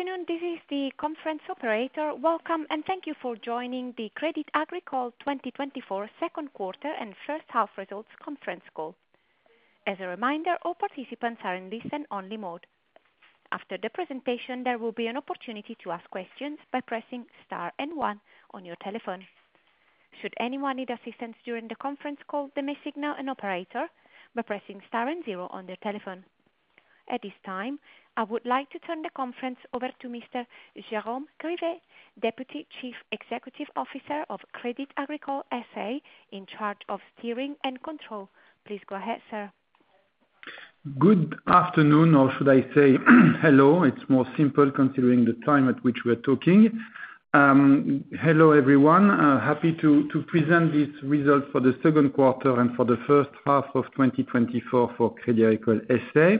Good afternoon, this is the conference operator. Welcome and thank you for joining the Crédit Agricole 2024 Second Quarter and First Half results Conference Call. As a reminder, all participants are in listen-only mode. After the presentation, there will be an opportunity to ask questions by pressing star and one on your telephone. Should anyone need assistance during the conference call, they may signal an operator by pressing star and zero on their telephone. At this time, I would like to turn the conference over to Mr. Jérôme Grivet, Deputy Chief Executive Officer of Crédit Agricole S.A., in charge of steering and control. Please go ahead, sir. Good afternoon, or should I say hello? It's more simple considering the time at which we are talking. Hello everyone. Happy to present these results for the second quarter and for the first half of 2024 for Crédit Agricole S.A.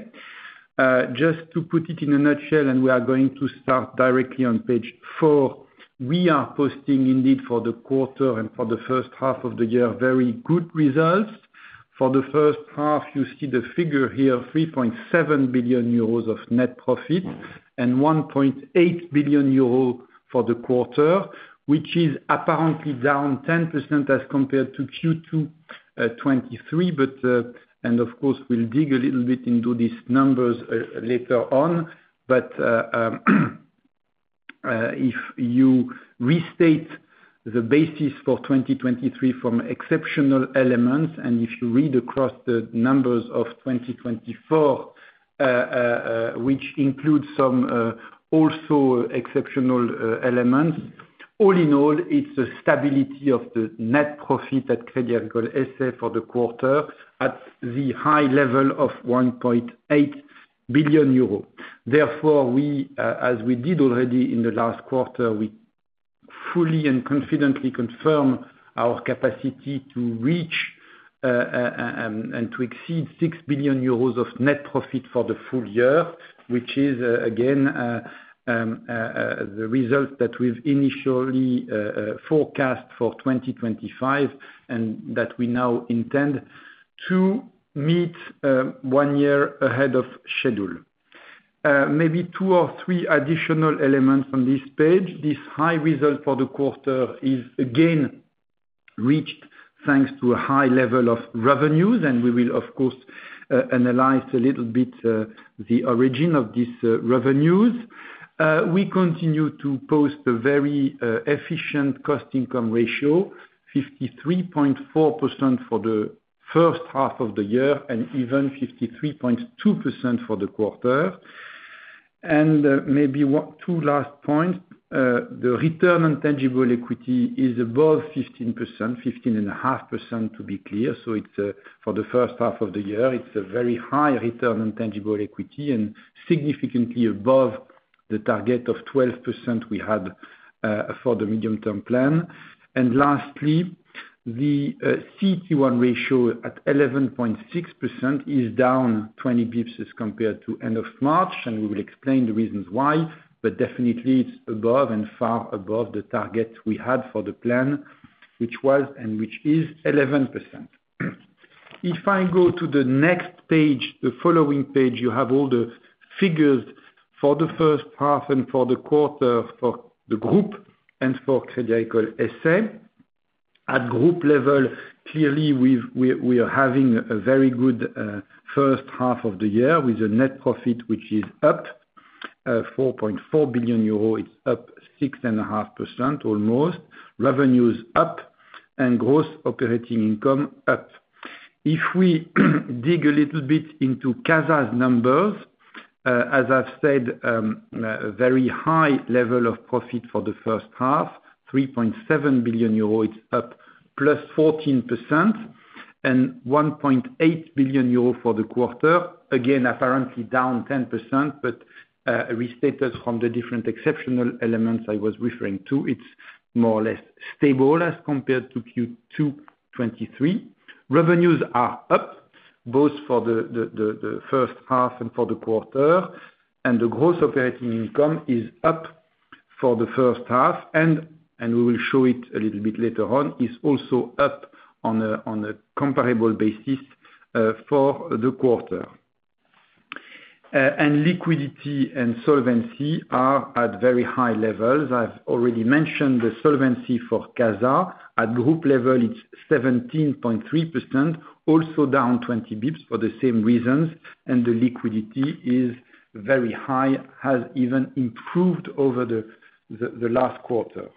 Just to put it in a nutshell, and we are going to start directly on page four, we are posting indeed for the quarter and for the first half of the year, very good results. For the first half, you see the figure here: 3.7 billion euros of net profit and 1.8 billion euros for the quarter, which is apparently down 10% as compared to Q2 2023. Of course, we'll dig a little bit into these numbers later on. But if you restate the basis for 2023 from exceptional elements, and if you read across the numbers of 2024, which include some also exceptional elements, all in all, it's the stability of the net profit at Crédit Agricole S.A. for the quarter at the high level of 1.8 billion euro. Therefore, as we did already in the last quarter, we fully and confidently confirm our capacity to reach and to exceed 6 billion euros of net profit for the full year, which is, again, the result that we've initially forecast for 2025 and that we now intend to meet one year ahead of schedule. Maybe two or three additional elements on this page. This high result for the quarter is again reached thanks to a high level of revenues, and we will, of course, analyze a little bit the origin of these revenues. We continue to post a very efficient Cost-Income Ratio, 53.4% for the first half of the year and even 53.2% for the quarter. And maybe two last points. The return on tangible equity is above 15%, 15.5% to be clear. So for the first half of the year, it's a very high return on tangible equity and significantly above the target of 12% we had for the medium-term plan. And lastly, the CET1 ratio at 11.6% is down 20 basis points compared to end of March, and we will explain the reasons why, but definitely it's above and far above the target we had for the plan, which was and which is 11%. If I go to the next page, the following page, you have all the figures for the first half and for the quarter for the group and for Crédit Agricole S.A. At group level, clearly, we are having a very good first half of the year with a net profit which is up EURO 4.4 billion. It's up 6.5% almost. Revenues up and gross operating income up. If we dig a little bit into CASA's numbers, as I've said, very high level of profit for the first half, EURO 3.7 billion. It's up plus 14% and EURO 1.8 billion for the quarter. Again, apparently down 10%, but restated from the different exceptional elements I was referring to, it's more or less stable as compared to Q2 2023. Revenues are up both for the first half and for the quarter, and the gross operating income is up for the first half, and we will show it a little bit later on, is also up on a comparable basis for the quarter. Liquidity and solvency are at very high levels. I've already mentioned the solvency for CASA. At group level, it's 17.3%, also down 20 basis points for the same reasons, and the liquidity is very high, has even improved over the last quarter.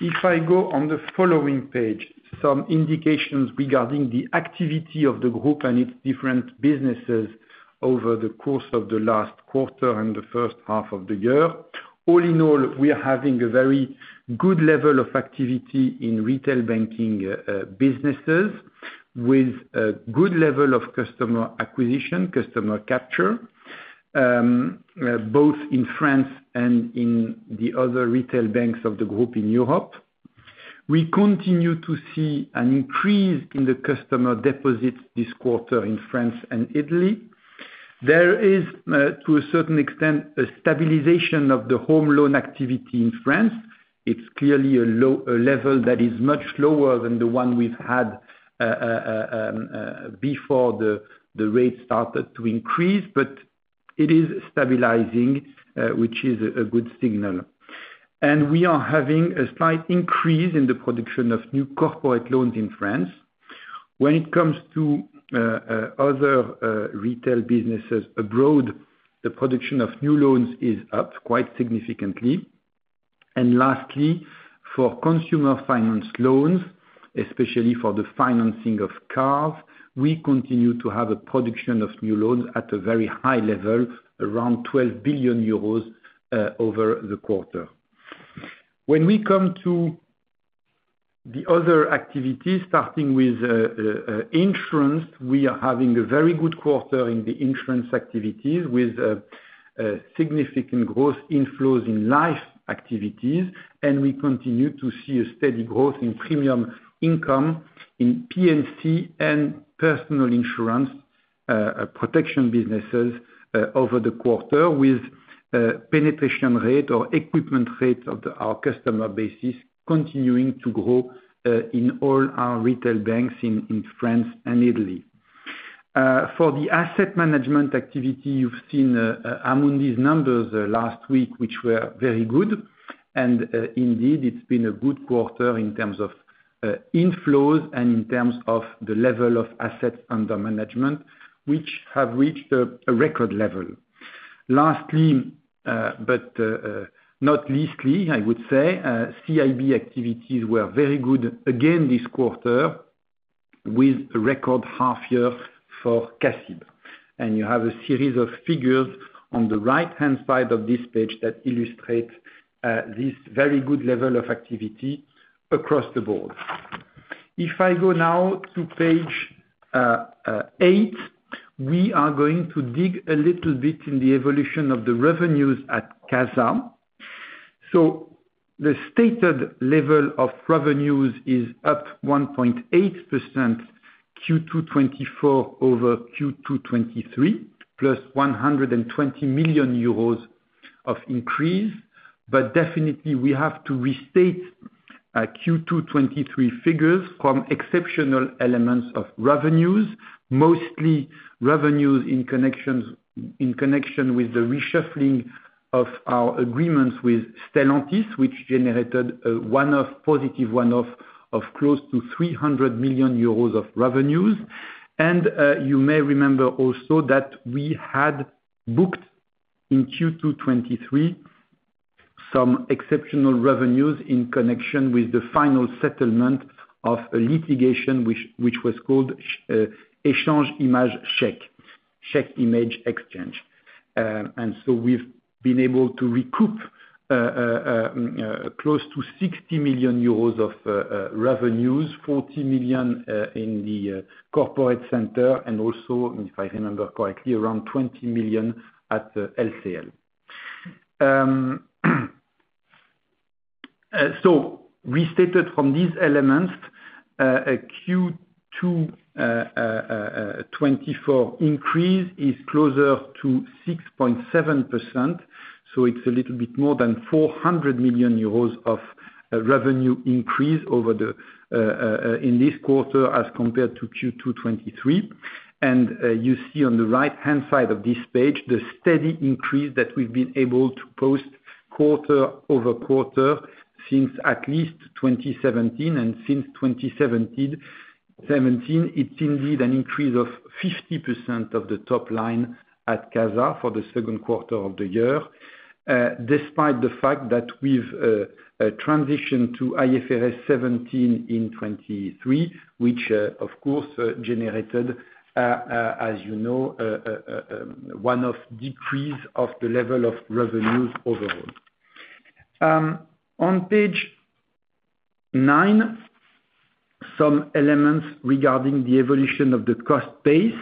If I go on the following page, some indications regarding the activity of the group and its different businesses over the course of the last quarter and the first half of the year. All in all, we are having a very good level of activity in retail banking businesses with a good level of customer acquisition, customer capture, both in France and in the other retail banks of the group in Europe. We continue to see an increase in the customer deposits this quarter in France and Italy. There is, to a certain extent, a stabilization of the home loan activity in France. It's clearly a level that is much lower than the one we've had before the rate started to increase, but it is stabilizing, which is a good signal. We are having a slight increase in the production of new corporate loans in France. When it comes to other retail businesses abroad, the production of new loans is up quite significantly. Lastly, for consumer finance loans, especially for the financing of cars, we continue to have a production of new loans at a very high level, around 12 billion euros over the quarter. When we come to the other activities, starting with insurance, we are having a very good quarter in the insurance activities with significant growth in flows in life activities, and we continue to see a steady growth in premium income in P&C and personal insurance protection businesses over the quarter, with penetration rate or equipment rate of our customer basis continuing to grow in all our retail banks in France and Italy. For the asset management activity, you've seen Amundi's numbers last week, which were very good, and indeed, it's been a good quarter in terms of inflows and in terms of the level of assets under management, which have reached a record level. Lastly, but not leastly, I would say, CIB activities were very good again this quarter with a record half year for CACIB. You have a series of figures on the right-hand side of this page that illustrate this very good level of activity across the board. If I go now to page eight, we are going to dig a little bit in the evolution of the revenues at CASA. So the stated level of revenues is up 1.8% Q2 2024 over Q2 2023, plus 120 million euros of increase. But definitely, we have to restate Q2 2023 figures from exceptional elements of revenues, mostly revenues in connection with the reshuffling of our agreements with Stellantis, which generated a positive one-off of close to 300 million euros of revenues. And you may remember also that we had booked in Q2 2023 some exceptional revenues in connection with the final settlement of a litigation which was called Échange Image Chèque, Check Image Exchange. We've been able to recoup close to EURO 60 million of revenues, EURO 40 million in the corporate center, and also, if I remember correctly, around EURO 20 million at LCL. Restated from these elements, a Q2 2024 increase is closer to 6.7%. It's a little bit more than EURO 400 million of revenue increase in this quarter as compared to Q2 2023. You see on the right-hand side of this page, the steady increase that we've been able to post quarter-over-quarter since at least 2017. Since 2017, it's indeed an increase of 50% of the top line at CASA for the second quarter of the year, despite the fact that we've transitioned to IFRS 17 in 2023, which, of course, generated, as you know, one-off decrease of the level of revenues overall. On page nine, some elements regarding the evolution of the cost base.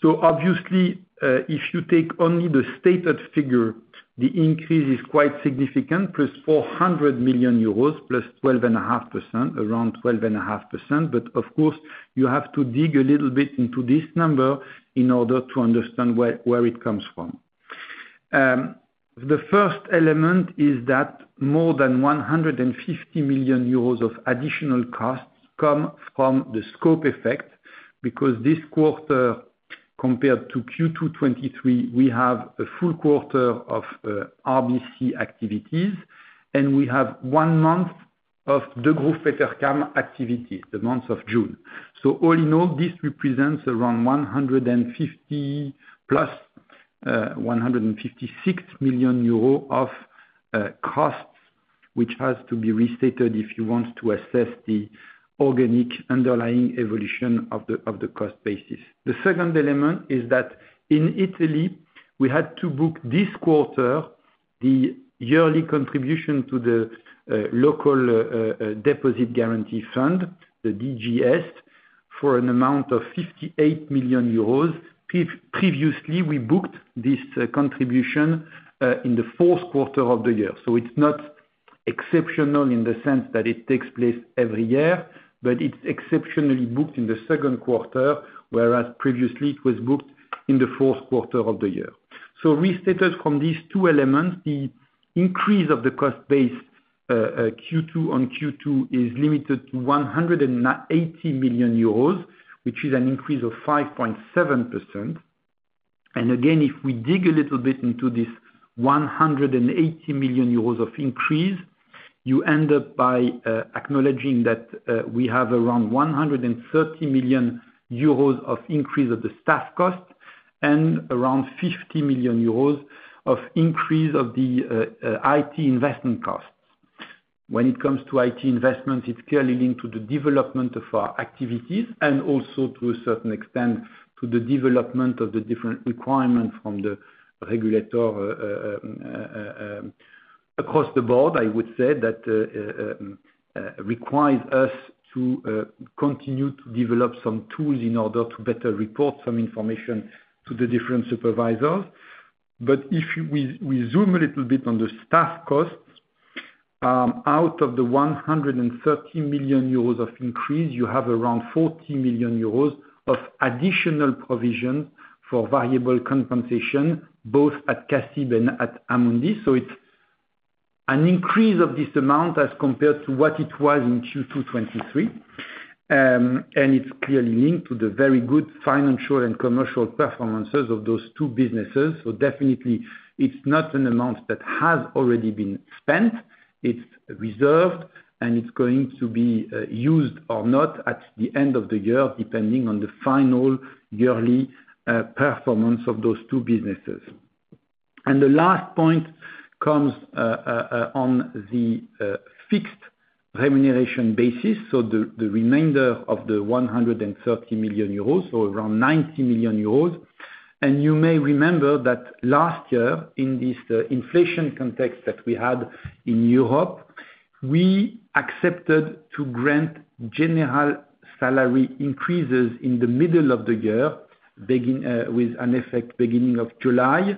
So obviously, if you take only the stated figure, the increase is quite significant, plus 400 million euros, plus 12.5%, around 12.5%. But of course, you have to dig a little bit into this number in order to understand where it comes from. The first element is that more than 150 million euros of additional costs come from the scope effect because this quarter, compared to Q2 2023, we have a full quarter of RBC activities, and we have one month of Degroof Petercam activities, the month of June. So all in all, this represents around 150 plus 156 million euros of costs, which has to be restated if you want to assess the organic underlying evolution of the cost basis. The second element is that in Italy, we had to book this quarter the yearly contribution to the local deposit guarantee fund, the DGS, for an amount of 58 million euros. Previously, we booked this contribution in the fourth quarter of the year. So it's not exceptional in the sense that it takes place every year, but it's exceptionally booked in the second quarter, whereas previously, it was booked in the fourth quarter of the year. So restated from these two elements, the increase of the cost base Q2 on Q2 is limited to 180 million euros, which is an increase of 5.7%. And again, if we dig a little bit into this 180 million euros of increase, you end up by acknowledging that we have around 130 million euros of increase of the staff cost and around 50 million euros of increase of the IT investment costs. When it comes to IT investments, it's clearly linked to the development of our activities and also, to a certain extent, to the development of the different requirements from the regulator across the board, I would say, that requires us to continue to develop some tools in order to better report some information to the different supervisors. But if we zoom a little bit on the staff costs, out of the 130 million euros of increase, you have around 40 million euros of additional provisions for variable compensation, both at CACIB and at Amundi. So it's an increase of this amount as compared to what it was in Q2 2023, and it's clearly linked to the very good financial and commercial performances of those two businesses. So definitely, it's not an amount that has already been spent. It's reserved, and it's going to be used or not at the end of the year, depending on the final yearly performance of those two businesses. The last point comes on the fixed remuneration basis, so the remainder of the 130 million euros, so around 90 million euros. You may remember that last year, in this inflation context that we had in Europe, we accepted to grant general salary increases in the middle of the year, with an effect beginning of July,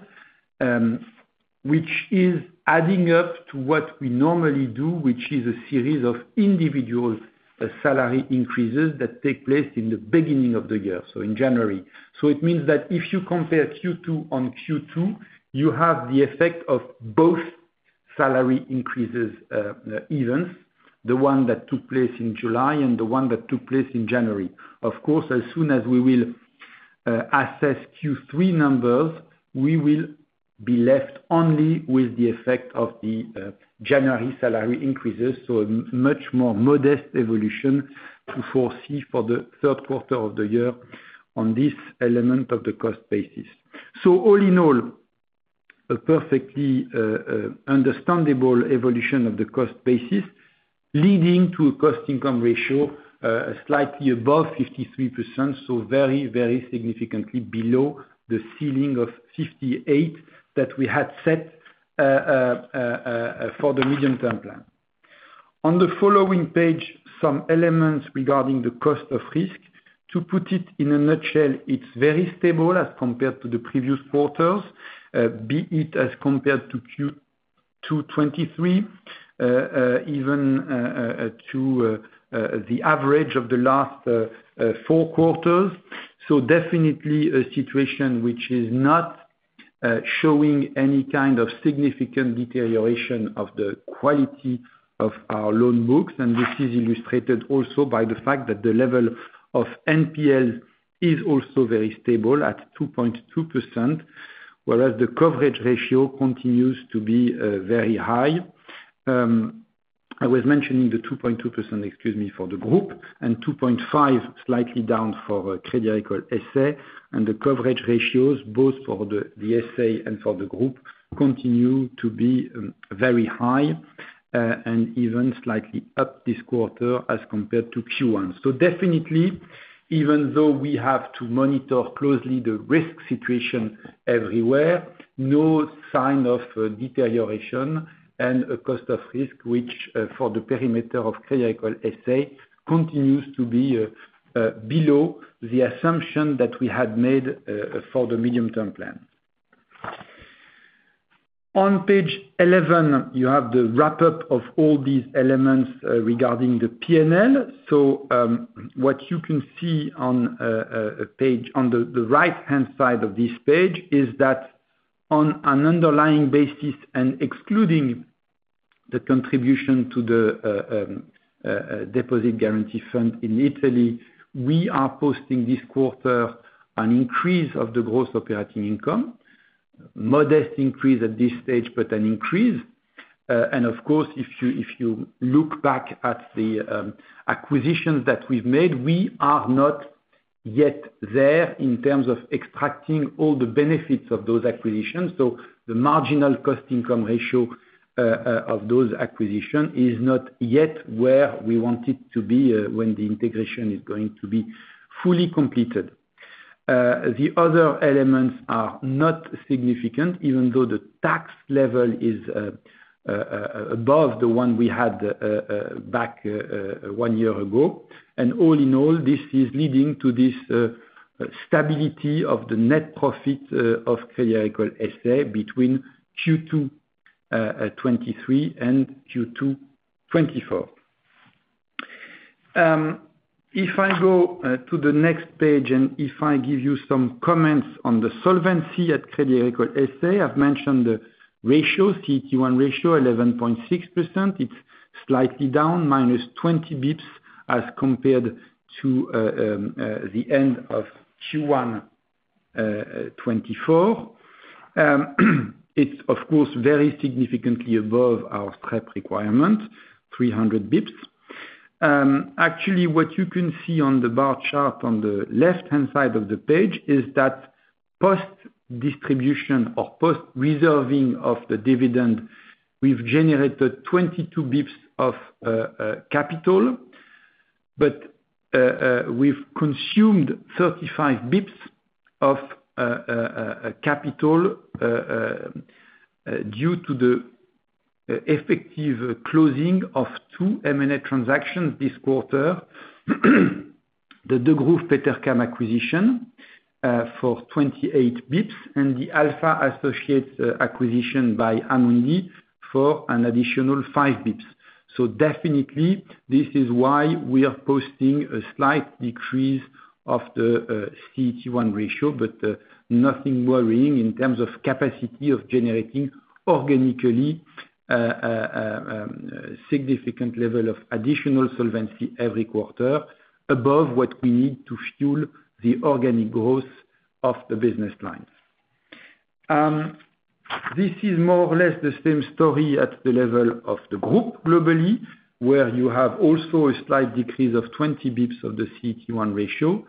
which is adding up to what we normally do, which is a series of individual salary increases that take place in the beginning of the year, so in January. So it means that if you compare Q2 on Q2, you have the effect of both salary increases events, the one that took place in July and the one that took place in January. Of course, as soon as we will assess Q3 numbers, we will be left only with the effect of the January salary increases, so a much more modest evolution to foresee for the third quarter of the year on this element of the cost basis. So all in all, a perfectly understandable evolution of the cost basis, leading to a cost income ratio slightly above 53%, so very, very significantly below the ceiling of 58% that we had set for the medium-term plan. On the following page, some elements regarding the cost of risk. To put it in a nutshell, it's very stable as compared to the previous quarters, be it as compared to Q2 2023, even to the average of the last four quarters. So definitely a situation which is not showing any kind of significant deterioration of the quality of our loan books. This is illustrated also by the fact that the level of NPLs is also very stable at 2.2%, whereas the coverage ratio continues to be very high. I was mentioning the 2.2%, excuse me, for the group, and 2.5% slightly down for Crédit Agricole S.A. And the coverage ratios, both for the S.A. and for the group, continue to be very high and even slightly up this quarter as compared to Q1. So definitely, even though we have to monitor closely the risk situation everywhere, no sign of deterioration and a cost of risk, which for the perimeter of Crédit Agricole S.A. continues to be below the assumption that we had made for the medium-term plan. On page 11, you have the wrap-up of all these elements regarding the P&L. So what you can see on the right-hand side of this page is that on an underlying basis, and excluding the contribution to the deposit guarantee fund in Italy, we are posting this quarter an increase of the gross operating income, modest increase at this stage, but an increase. Of course, if you look back at the acquisitions that we've made, we are not yet there in terms of extracting all the benefits of those acquisitions. The marginal cost income ratio of those acquisitions is not yet where we want it to be when the integration is going to be fully completed. The other elements are not significant, even though the tax level is above the one we had back one year ago. All in all, this is leading to this stability of the net profit of Crédit Agricole S.A. between Q2 2023 and Q2 2024. If I go to the next page and if I give you some comments on the solvency at Crédit Agricole S.A., I've mentioned the ratio, CET1 ratio, 11.6%. It's slightly down, minus 20 basis points as compared to the end of Q1 2024. It's, of course, very significantly above our SREP requirement, 300 basis points. Actually, what you can see on the bar chart on the left-hand side of the page is that post-distribution or post-reserving of the dividend, we've generated 22 basis points of capital, but we've consumed 35 basis points of capital due to the effective closing of two M&A transactions this quarter, the Degroof Petercam acquisition for 28 basis points, and the Alpha Associates acquisition by Amundi for an additional 5 basis points. So definitely, this is why we are posting a slight decrease of the CET1 ratio, but nothing worrying in terms of capacity of generating organically significant level of additional solvency every quarter above what we need to fuel the organic growth of the business line. This is more or less the same story at the level of the group globally, where you have also a slight decrease of 20 basis points of the CET1 ratio,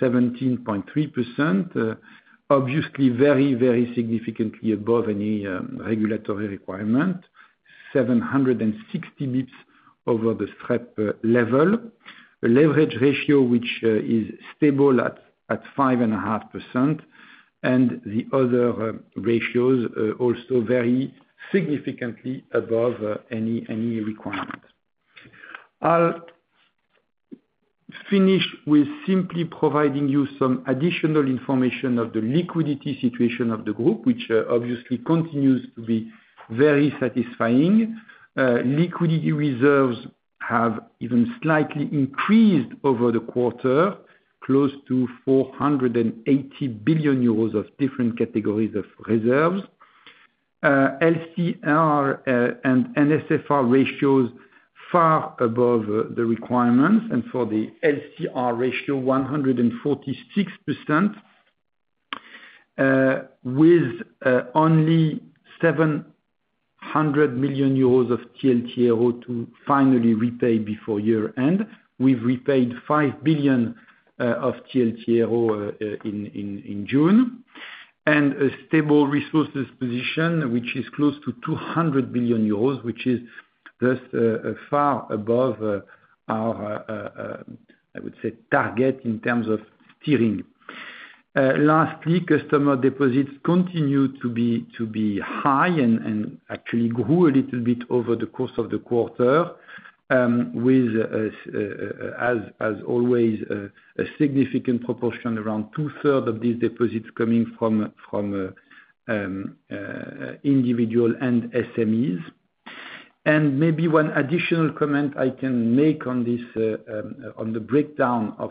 17.3%, obviously very, very significantly above any regulatory requirement, 760 basis points over the SREP level, a leverage ratio which is stable at 5.5%, and the other ratios also very significantly above any requirement. I'll finish with simply providing you some additional information of the liquidity situation of the group, which obviously continues to be very satisfying. Liquidity reserves have even slightly increased over the quarter, close to 480 million euros of different categories of reserves. LCR and NSFR ratios far above the requirements, and for the LCR ratio, 146%, with only 700 million euros of TLTRO to finally repay before year-end. We've repaid 5 billion of TLTRO in June. A stable resources position, which is close to 200 million euros, which is just far above our, I would say, target in terms of steering. Lastly, customer deposits continue to be high and actually grew a little bit over the course of the quarter, with, as always, a significant proportion, around 2/3 of these deposits coming from individual and SMEs. Maybe one additional comment I can make on the breakdown of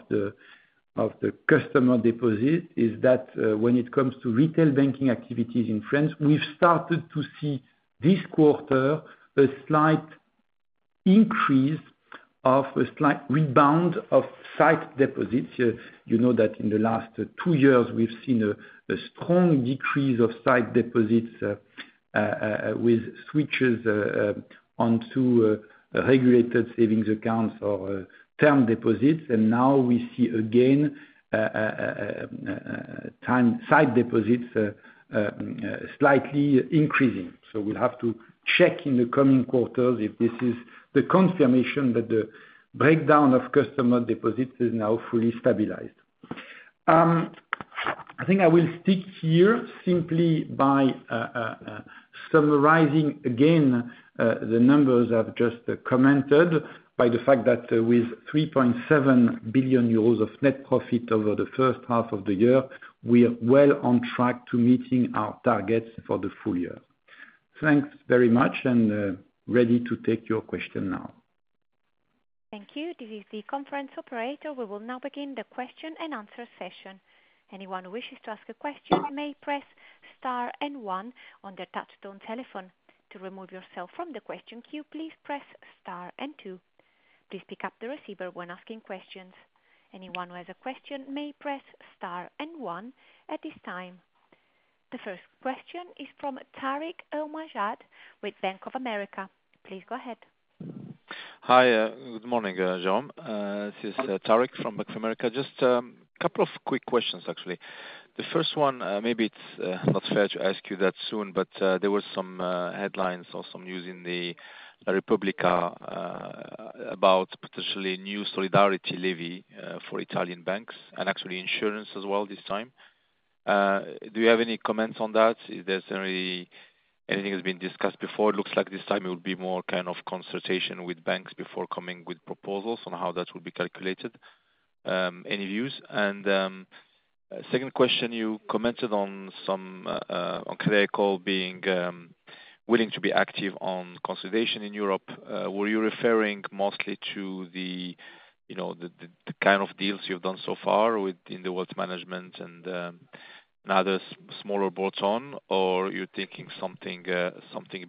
the customer deposit is that when it comes to retail banking activities in France, we've started to see this quarter a slight increase of a slight rebound of sight deposits. You know that in the last two years, we've seen a strong decrease of sight deposits with switches onto regulated savings accounts or term deposits. And now we see again sight deposits slightly increasing. So we'll have to check in the coming quarters if this is the confirmation that the breakdown of customer deposits is now fully stabilized. I think I will stick here simply by summarizing again the numbers I've just commented by the fact that with 3.7 billion euros of net profit over the first half of the year, we're well on track to meeting our targets for the full year. Thanks very much, and ready to take your question now. Thank you. This is the conference operator. We will now begin the question-and-answer session. Anyone who wishes to ask a question may press star and one on their touch-tone telephone. To remove yourself from the question queue, please press star and two. Please pick up the receiver when asking questions. Anyone who has a question may press star and one at this time. The first question is from Tarik El Mejjad with Bank of America. Please go ahead. Hi. Good morning, Jérôme. This is Tarik from Bank of America. Just a couple of quick questions, actually. The first one, maybe it's not fair to ask you that soon, but there were some headlines or some news in the Repubblica about potentially new solidarity levy for Italian banks and actually insurance as well this time. Do you have any comments on that? Is there anything that's been discussed before? It looks like this time it will be more kind of consultation with banks before coming with proposals on how that will be calculated. Any views? Second question, you commented on Crédit Agricole being willing to be active on consolidation in Europe. Were you referring mostly to the kind of deals you've done so far in the wealth management and other smaller bolt-on, or you're thinking something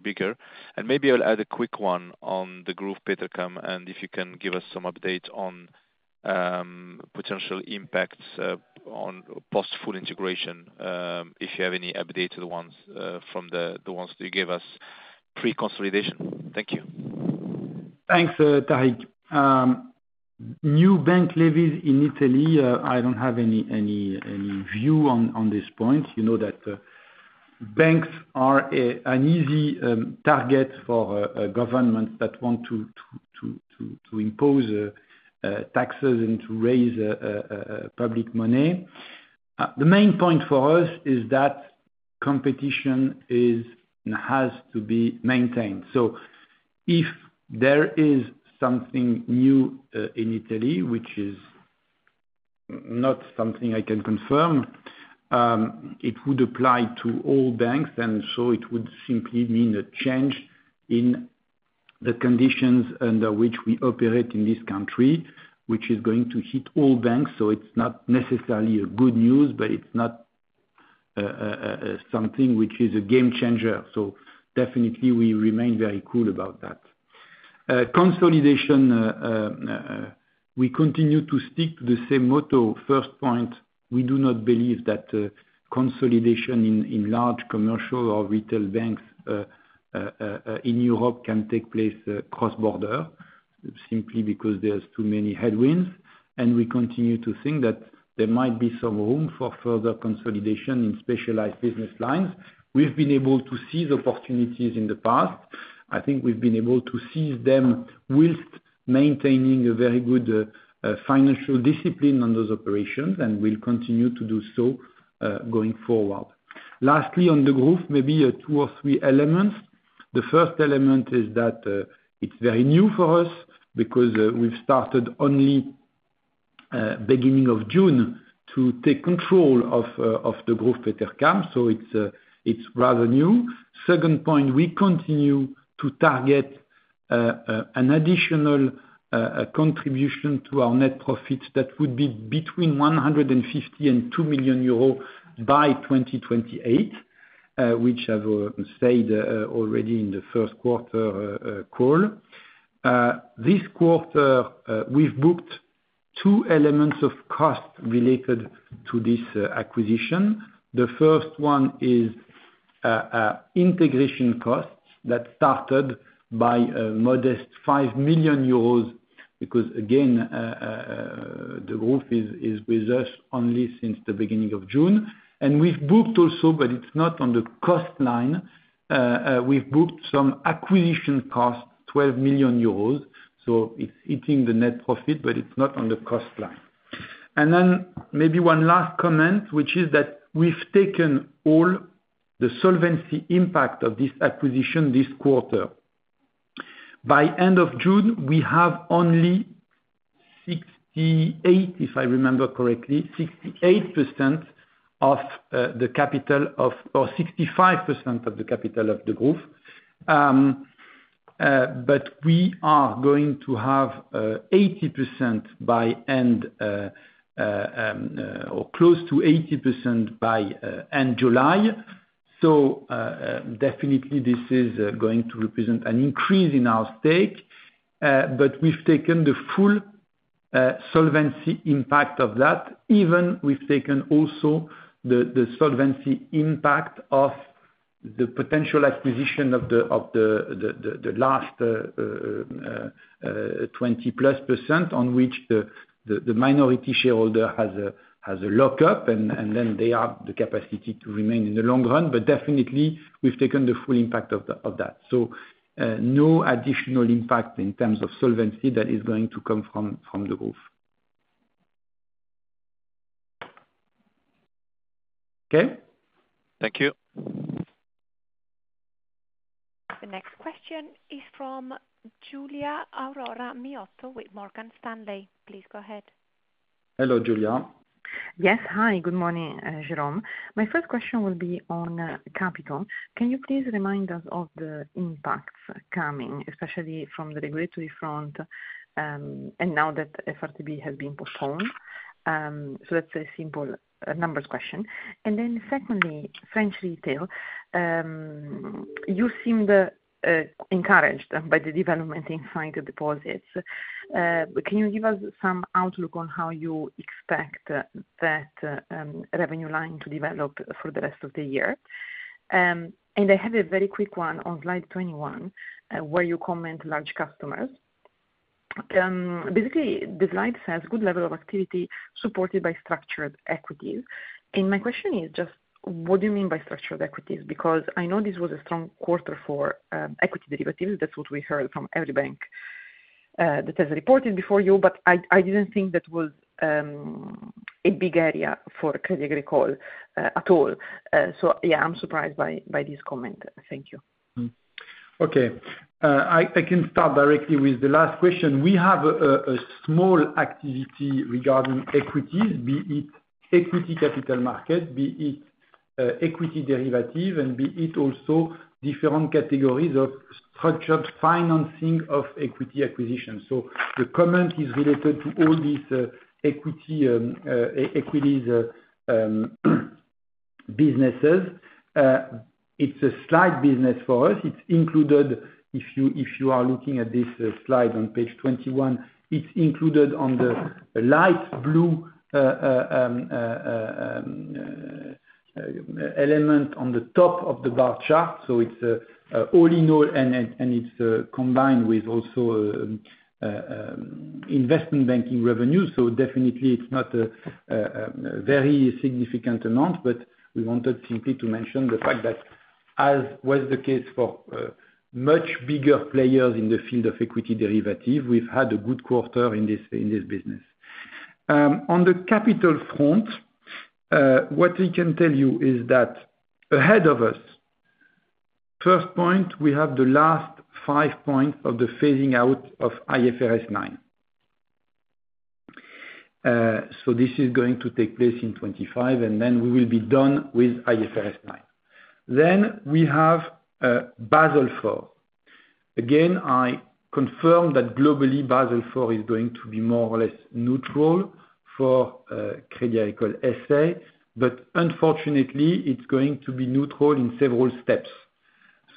bigger? And maybe I'll add a quick one on the Degroof Petercam, and if you can give us some update on potential impacts on post-full integration if you have any updated ones from the ones that you gave us pre-consolidation. Thank you. Thanks, Tarik. New bank levies in Italy, I don't have any view on this point. You know that banks are an easy target for governments that want to impose taxes and to raise public money. The main point for us is that competition has to be maintained. So if there is something new in Italy, which is not something I can confirm, it would apply to all banks, and so it would simply mean a change in the conditions under which we operate in this country, which is going to hit all banks. So it's not necessarily good news, but it's not something which is a game changer. So definitely, we remain very cool about that. Consolidation, we continue to stick to the same motto. First point, we do not believe that consolidation in large commercial or retail banks in Europe can take place cross-border simply because there are too many headwinds. We continue to think that there might be some room for further consolidation in specialized business lines. We've been able to seize opportunities in the past. I think we've been able to seize them while maintaining a very good financial discipline on those operations, and we'll continue to do so going forward. Lastly, on the group, maybe two or three elements. The first element is that it's very new for us because we've started only beginning of June to take control of Degroof Petercam, so it's rather new. Second point, we continue to target an additional contribution to our net profits that would be between 150 and 2 million euros by 2028, which I've said already in the first quarter call. This quarter, we've booked two elements of cost related to this acquisition. The first one is integration costs that started by a modest 5 million euros because, again, the group is with us only since the beginning of June. We've booked also, but it's not on the cost line. We've booked some acquisition costs, 12 million euros, so it's hitting the net profit, but it's not on the cost line. And then maybe one last comment, which is that we've taken all the solvency impact of this acquisition this quarter. By end of June, we have only 68, if I remember correctly, 68% of the capital or 65% of the capital of the group. But we are going to have 80% by end or close to 80% by end July. So definitely, this is going to represent an increase in our stake, but we've taken the full solvency impact of that. Even we've taken also the solvency impact of the potential acquisition of the last 20+% on which the minority shareholder has a lock-up, and then they have the capacity to remain in the long run. But definitely, we've taken the full impact of that. So no additional impact in terms of solvency that is going to come from the group. Okay? Thank you. The next question is from Giulia Aurora Miotto with Morgan Stanley. Please go ahead. Hello, Giulia. Yes. Hi. Good morning, Jérôme. My first question will be on capital. Can you please remind us of the impacts coming, especially from the regulatory front and now that FRTB has been postponed? So that's a simple numbers question. And then secondly, French retail, you seemed encouraged by the development in sight deposits. Can you give us some outlook on how you expect that revenue line to develop for the rest of the year? And I have a very quick one on slide 21 where you comment large customers. Basically, the slide says, Good level of activity supported by structured equities. And my question is just, what do you mean by structured equities? Because I know this was a strong quarter for equity derivatives. That's what we heard from every bank that has reported before you, but I didn't think that was a big area for Crédit Agricole at all. So yeah, I'm surprised by this comment. Thank you. Okay. I can start directly with the last question. We have a small activity regarding equities, be it equity capital market, be it equity derivative, and be it also different categories of structured financing of equity acquisition. So the comment is related to all these equities businesses. It's a slide business for us. If you are looking at this slide on page 21, it's included on the light blue element on the top of the bar chart. So it's all in all, and it's combined with also investment banking revenues. So definitely, it's not a very significant amount, but we wanted simply to mention the fact that, as was the case for much bigger players in the field of equity derivatives, we've had a good quarter in this business. On the capital front, what we can tell you is that ahead of us, first point, we have the last 5 points of the phasing out of IFRS 9. So this is going to take place in 2025, and then we will be done with IFRS 9. Then we have Basel IV. Again, I confirm that globally, Basel IV is going to be more or less neutral for Crédit Agricole S.A., but unfortunately, it's going to be neutral in several steps.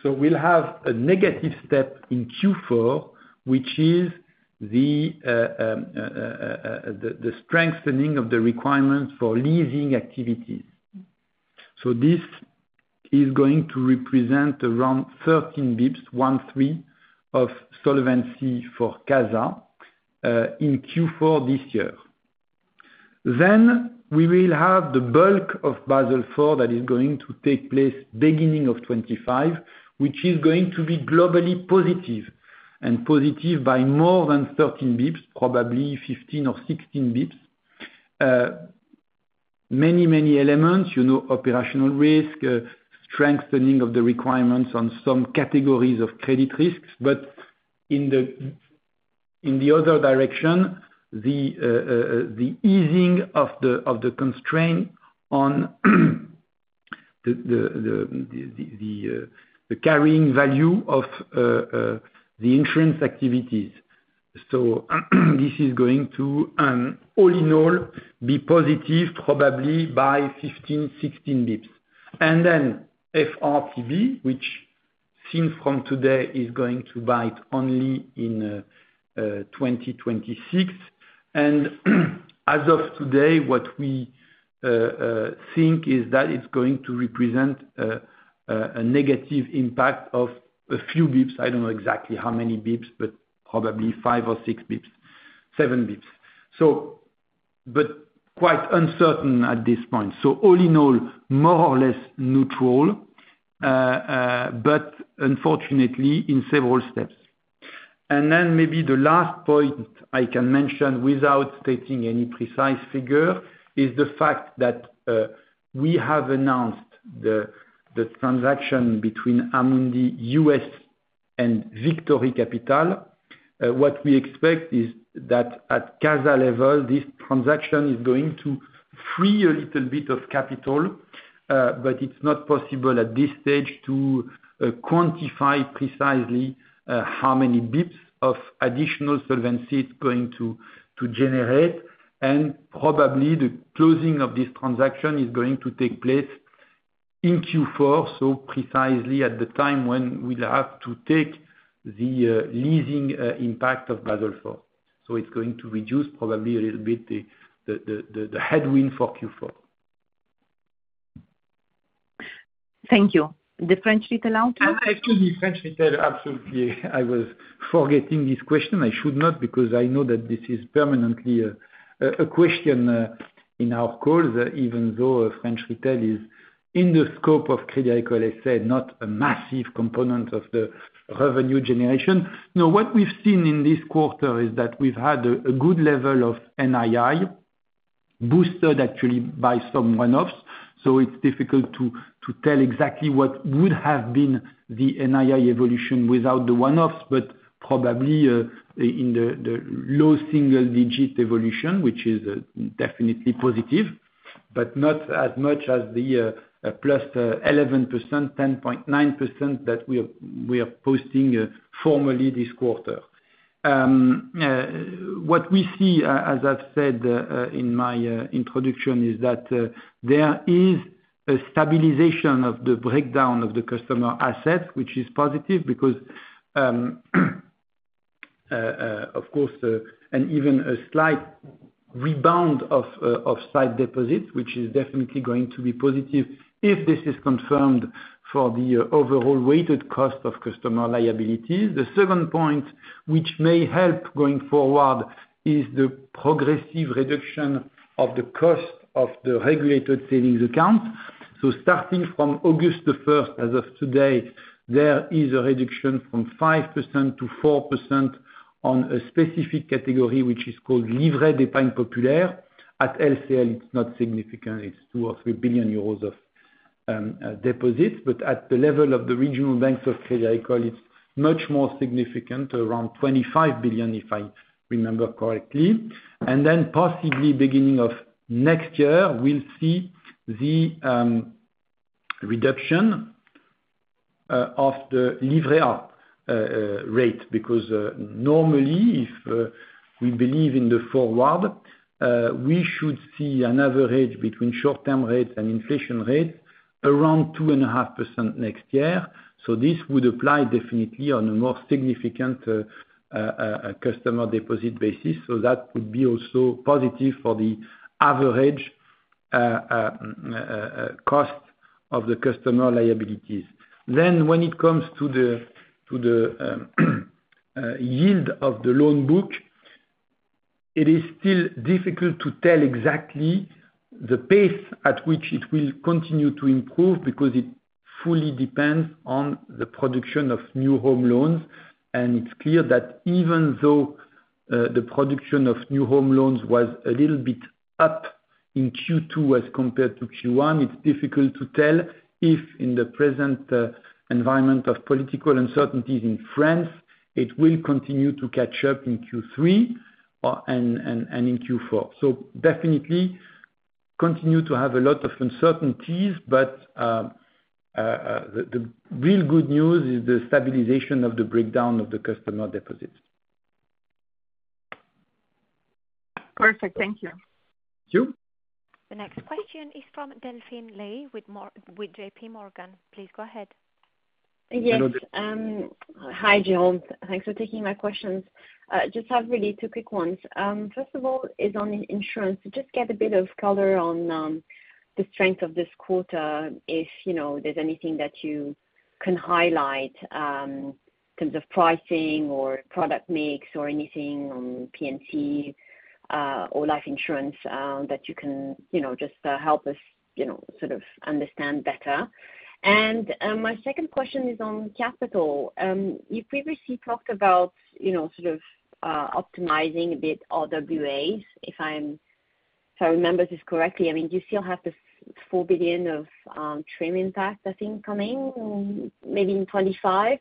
So we'll have a negative step in Q4, which is the strengthening of the requirements for leasing activities. So this is going to represent around 13 basis points, 1/3 of solvency for CASA in Q4 this year. Then we will have the bulk of Basel IV that is going to take place beginning of 2025, which is going to be globally positive and positive by more than 13 basis points, probably 15 or 16 basis points. Many, many elements, operational risk, strengthening of the requirements on some categories of credit risks. But in the other direction, the easing of the constraint on the carrying value of the insurance activities. So this is going to all in all be positive, probably by 15, 16 basis points. And then FRTB, which seen from today, is going to bite only in 2026. And as of today, what we think is that it's going to represent a negative impact of a few basis points. I don't know exactly how many bps, but probably 5 or 6 bps, 7 bps. But quite uncertain at this point. So all in all, more or less neutral, but unfortunately, in several steps. And then maybe the last point I can mention without stating any precise figure is the fact that we have announced the transaction between Amundi US and Victory Capital. What we expect is that at CASA level, this transaction is going to free a little bit of capital, but it's not possible at this stage to quantify precisely how many bps of additional solvency it's going to generate. And probably the closing of this transaction is going to take place in Q4, so precisely at the time when we'll have to take the leasing impact of Basel IV. So it's going to reduce probably a little bit the headwind for Q4. Thank you. The French retail outlook? Excuse me, French retail, absolutely. I was forgetting this question. I should not because I know that this is permanently a question in our calls, even though French retail is in the scope of Crédit Agricole S.A., not a massive component of the revenue generation. What we've seen in this quarter is that we've had a good level of NII boosted, actually, by some one-offs. So it's difficult to tell exactly what would have been the NII evolution without the one-offs, but probably in the low single-digit evolution, which is definitely positive, but not as much as the +11%, 10.9% that we are posting formally this quarter. What we see, as I've said in my introduction, is that there is a stabilization of the breakdown of the customer assets, which is positive because, of course, and even a slight rebound of sight deposits, which is definitely going to be positive if this is confirmed for the overall weighted cost of customer liabilities. The second point, which may help going forward, is the progressive reduction of the cost of the regulated savings accounts. So starting from August 1st as of today, there is a reduction from 5%-4% on a specific category, which is called Livret d'Épargne Populaire. At LCL, it's not significant. It's 2 billion or 3 billion euros of deposits. But at the level of the regional banks of Crédit Agricole, it's much more significant, around 25 billion, if I remember correctly. Then possibly beginning of next year, we'll see the reduction of the Livret A rate because normally, if we believe in the forward, we should see an average between short-term rates and inflation rates around 2.5% next year. This would apply definitely on a more significant customer deposit basis. That would be also positive for the average cost of the customer liabilities. When it comes to the yield of the loan book, it is still difficult to tell exactly the pace at which it will continue to improve because it fully depends on the production of new home loans. It's clear that even though the production of new home loans was a little bit up in Q2 as compared to Q1, it's difficult to tell if in the present environment of political uncertainties in France, it will continue to catch up in Q3 and in Q4. Definitely continue to have a lot of uncertainties, but the real good news is the stabilization of the breakdown of the customer deposits. Perfect. Thank you. Thankyou. The next question is from Delphine Lee with JPMorgan. Please go ahead. Yes. Hello. Hi, Jérôme. Thanks for taking my questions. Just have really two quick ones. First of all, is on insurance. Just get a bit of color on the strength of this quarter, if there's anything that you can highlight in terms of pricing or product mix or anything on P&C or life insurance that you can just help us sort of understand better. And my second question is on capital. You previously talked about sort of optimizing a bit RWAs, if I remember this correctly. I mean, do you still have the 4 billion of TRIM impact, I think, coming maybe in 2025?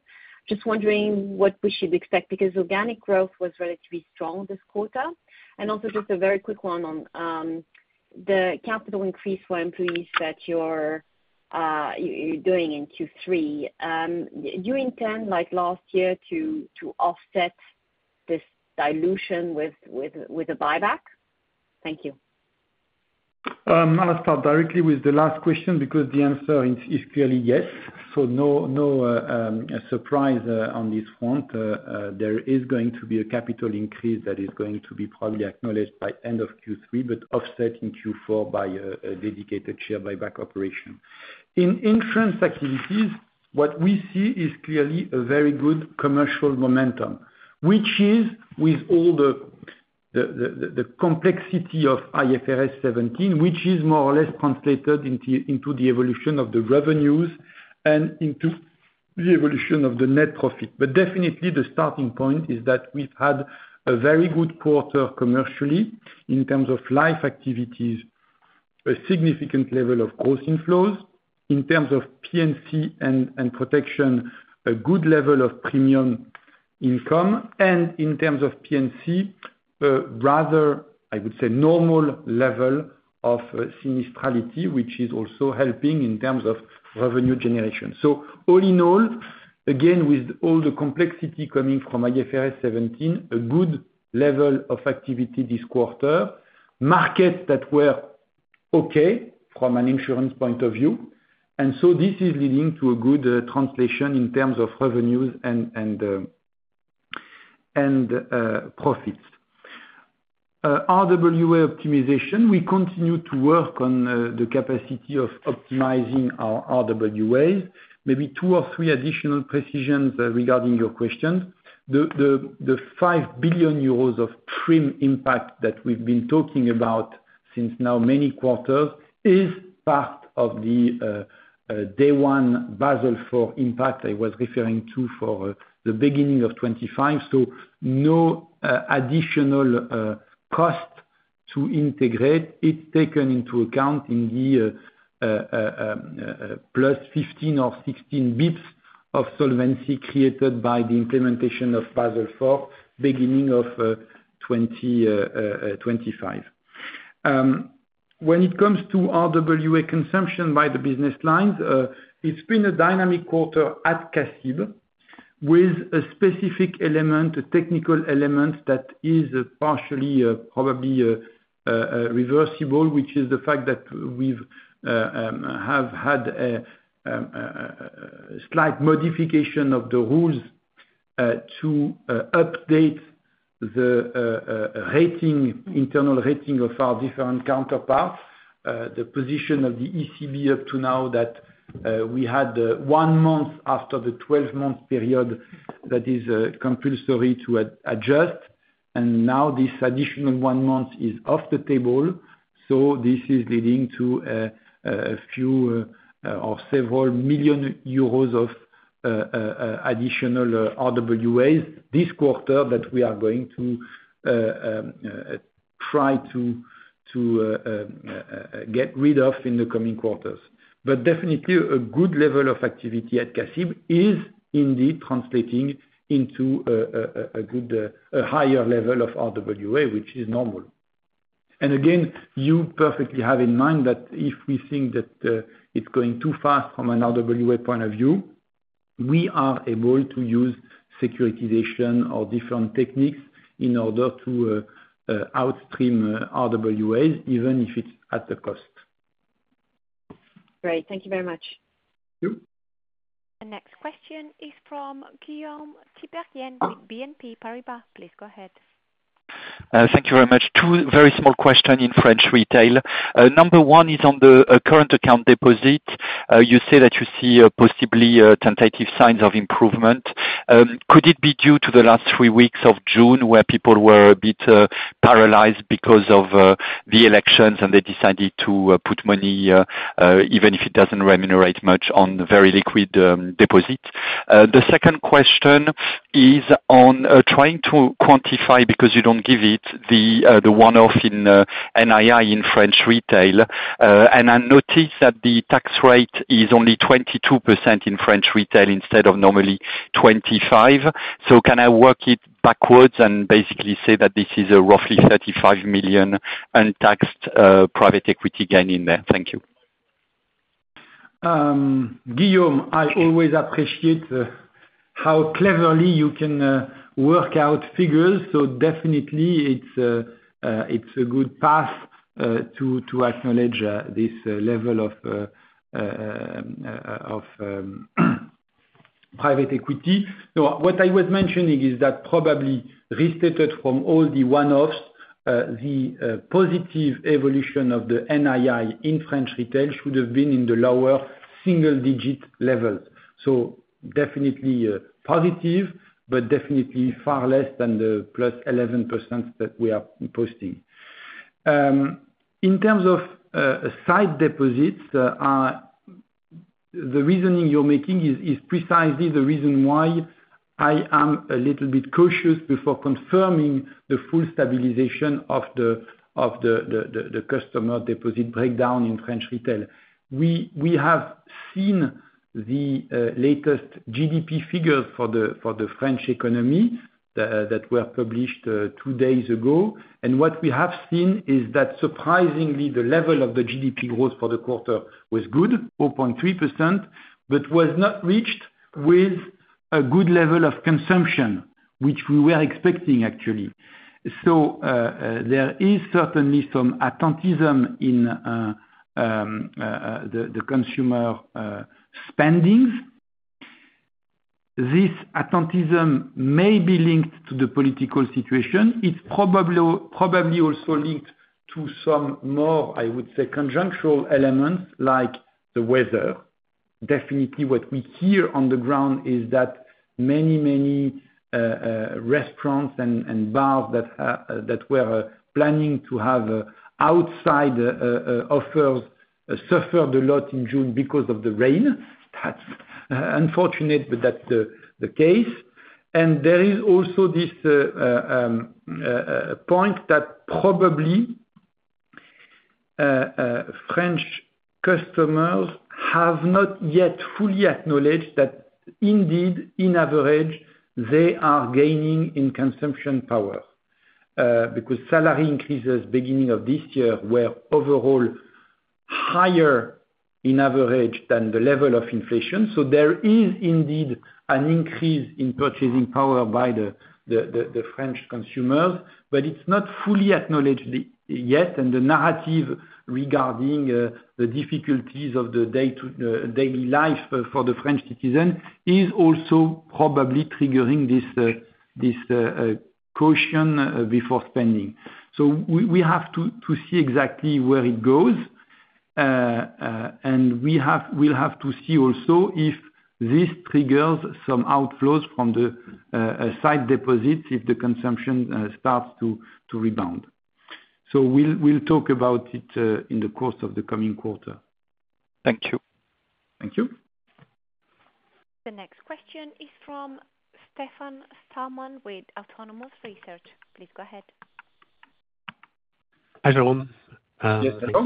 Just wondering what we should expect because organic growth was relatively strong this quarter. And also just a very quick one on the capital increase for employees that you're doing in Q3. Do you intend, like last year, to offset this dilution with a buyback? Thank you. I'll start directly with the last question because the answer is clearly yes. So no surprise on this front. There is going to be a capital increase that is going to be probably acknowledged by end of Q3, but offset in Q4 by a dedicated share buyback operation. In insurance activities, what we see is clearly a very good commercial momentum, which is with all the complexity of IFRS 17, which is more or less translated into the evolution of the revenues and into the evolution of the net profit. But definitely, the starting point is that we've had a very good quarter commercially in terms of life activities, a significant level of gross inflows, in terms of P&C and protection, a good level of premium income, and in terms of P&C, rather, I would say, normal level of sinistrality, which is also helping in terms of revenue generation. So all in all, again, with all the complexity coming from IFRS 17, a good level of activity this quarter, markets that were okay from an insurance point of view. And so this is leading to a good translation in terms of revenues and profits. RWA optimization. We continue to work on the capacity of optimizing our RWAs. Maybe two or three additional precisions regarding your questions. The EURO 5 billion of TRIM impact that we've been talking about since now many quarters is part of the day one Basel IV impact I was referring to for the beginning of 2025. So no additional cost to integrate. It's taken into account in the +15 or 16 basis points of solvency created by the implementation of Basel IV beginning of 2025. When it comes to RWA consumption by the business lines, it's been a dynamic quarter at CACIB with a specific element, a technical element that is partially probably reversible, which is the fact that we have had a slight modification of the rules to update the internal rating of our different counterparts, the position of the ECB up to now that we had one month after the 12-month period that is compulsory to adjust. And now this additional one month is off the table. So this is leading to a few or several million EUR of additional RWAs this quarter that we are going to try to get rid of in the coming quarters. But definitely, a good level of activity at CACIB is indeed translating into a higher level of RWA, which is normal. And again, you perfectly have in mind that if we think that it's going too fast from an RWA point of view, we are able to use securitization or different techniques in order to outstream RWAs, even if it's at the cost. Great. Thank you very much. Thankyou The next question is from Guillaume Tiberghien with BNP Paribas. Please go ahead. Thank you very much. Two very small questions in French retail. Number one is on the current account deposit. You say that you see possibly tentative signs of improvement. Could it be due to the last three weeks of June where people were a bit paralyzed because of the elections and they decided to put money, even if it doesn't remunerate much, on very liquid deposits? The second question is on trying to quantify, because you don't give it, the one-off in NII in French retail. I noticed that the tax rate is only 22% in French retail instead of normally 25%. Can I work it backwards and basically say that this is a roughly 35 million untaxed private equity gain in there? Thank you. Guillaume, I always appreciate how cleverly you can work out figures. So definitely, it's a good path to acknowledge this level of private equity. What I was mentioning is that probably restated from all the one-offs, the positive evolution of the NII in French retail should have been in the lower single-digit levels. So definitely positive, but definitely far less than the +11% that we are posting. In terms of sight deposits, the reasoning you're making is precisely the reason why I am a little bit cautious before confirming the full stabilization of the customer deposit breakdown in French retail. We have seen the latest GDP figures for the French economy that were published two days ago. And what we have seen is that surprisingly, the level of the GDP growth for the quarter was good, 4.3%, but was not reached with a good level of consumption, which we were expecting, actually. So there is certainly some attentisme in the consumer spending. This attentisme may be linked to the political situation. It's probably also linked to some more, I would say, conjunctural elements like the weather. Definitely, what we hear on the ground is that many, many restaurants and bars that were planning to have outside offers suffered a lot in June because of the rain. That's unfortunate, but that's the case. There is also this point that probably French customers have not yet fully acknowledged that indeed, in average, they are gaining in consumption power because salary increases beginning of this year were overall higher in average than the level of inflation. There is indeed an increase in purchasing power by the French consumers, but it's not fully acknowledged yet. The narrative regarding the difficulties of the daily life for the French citizens is also probably triggering this caution before spending. We have to see exactly where it goes. We will have to see also if this triggers some outflows from the sight deposits if the consumption starts to rebound. We'll talk about it in the course of the coming quarter. Thank you. Thank you. The next question is from Stefan Stalmann with Autonomous Research. Please go ahead. Hi, Jérôme. Thanks for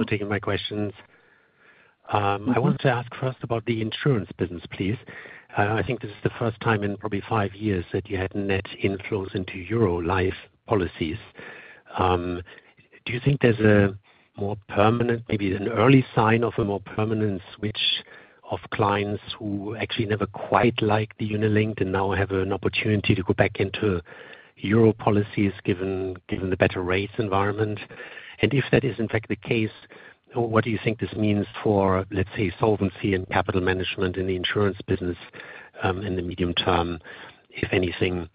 taking my questions. I wanted to ask first about the insurance business, please. I think this is the first time in probably five years that you had net inflows into Euro life policies. Do you think there's a more permanent, maybe an early sign of a more permanent switch of clients who actually never quite liked the Unit-Linked and now have an opportunity to go back into Euro policies given the better rates environment? And if that is, in fact, the case, what do you think this means for, let's say, solvency and capital management in the insurance business in the medium term, if anything?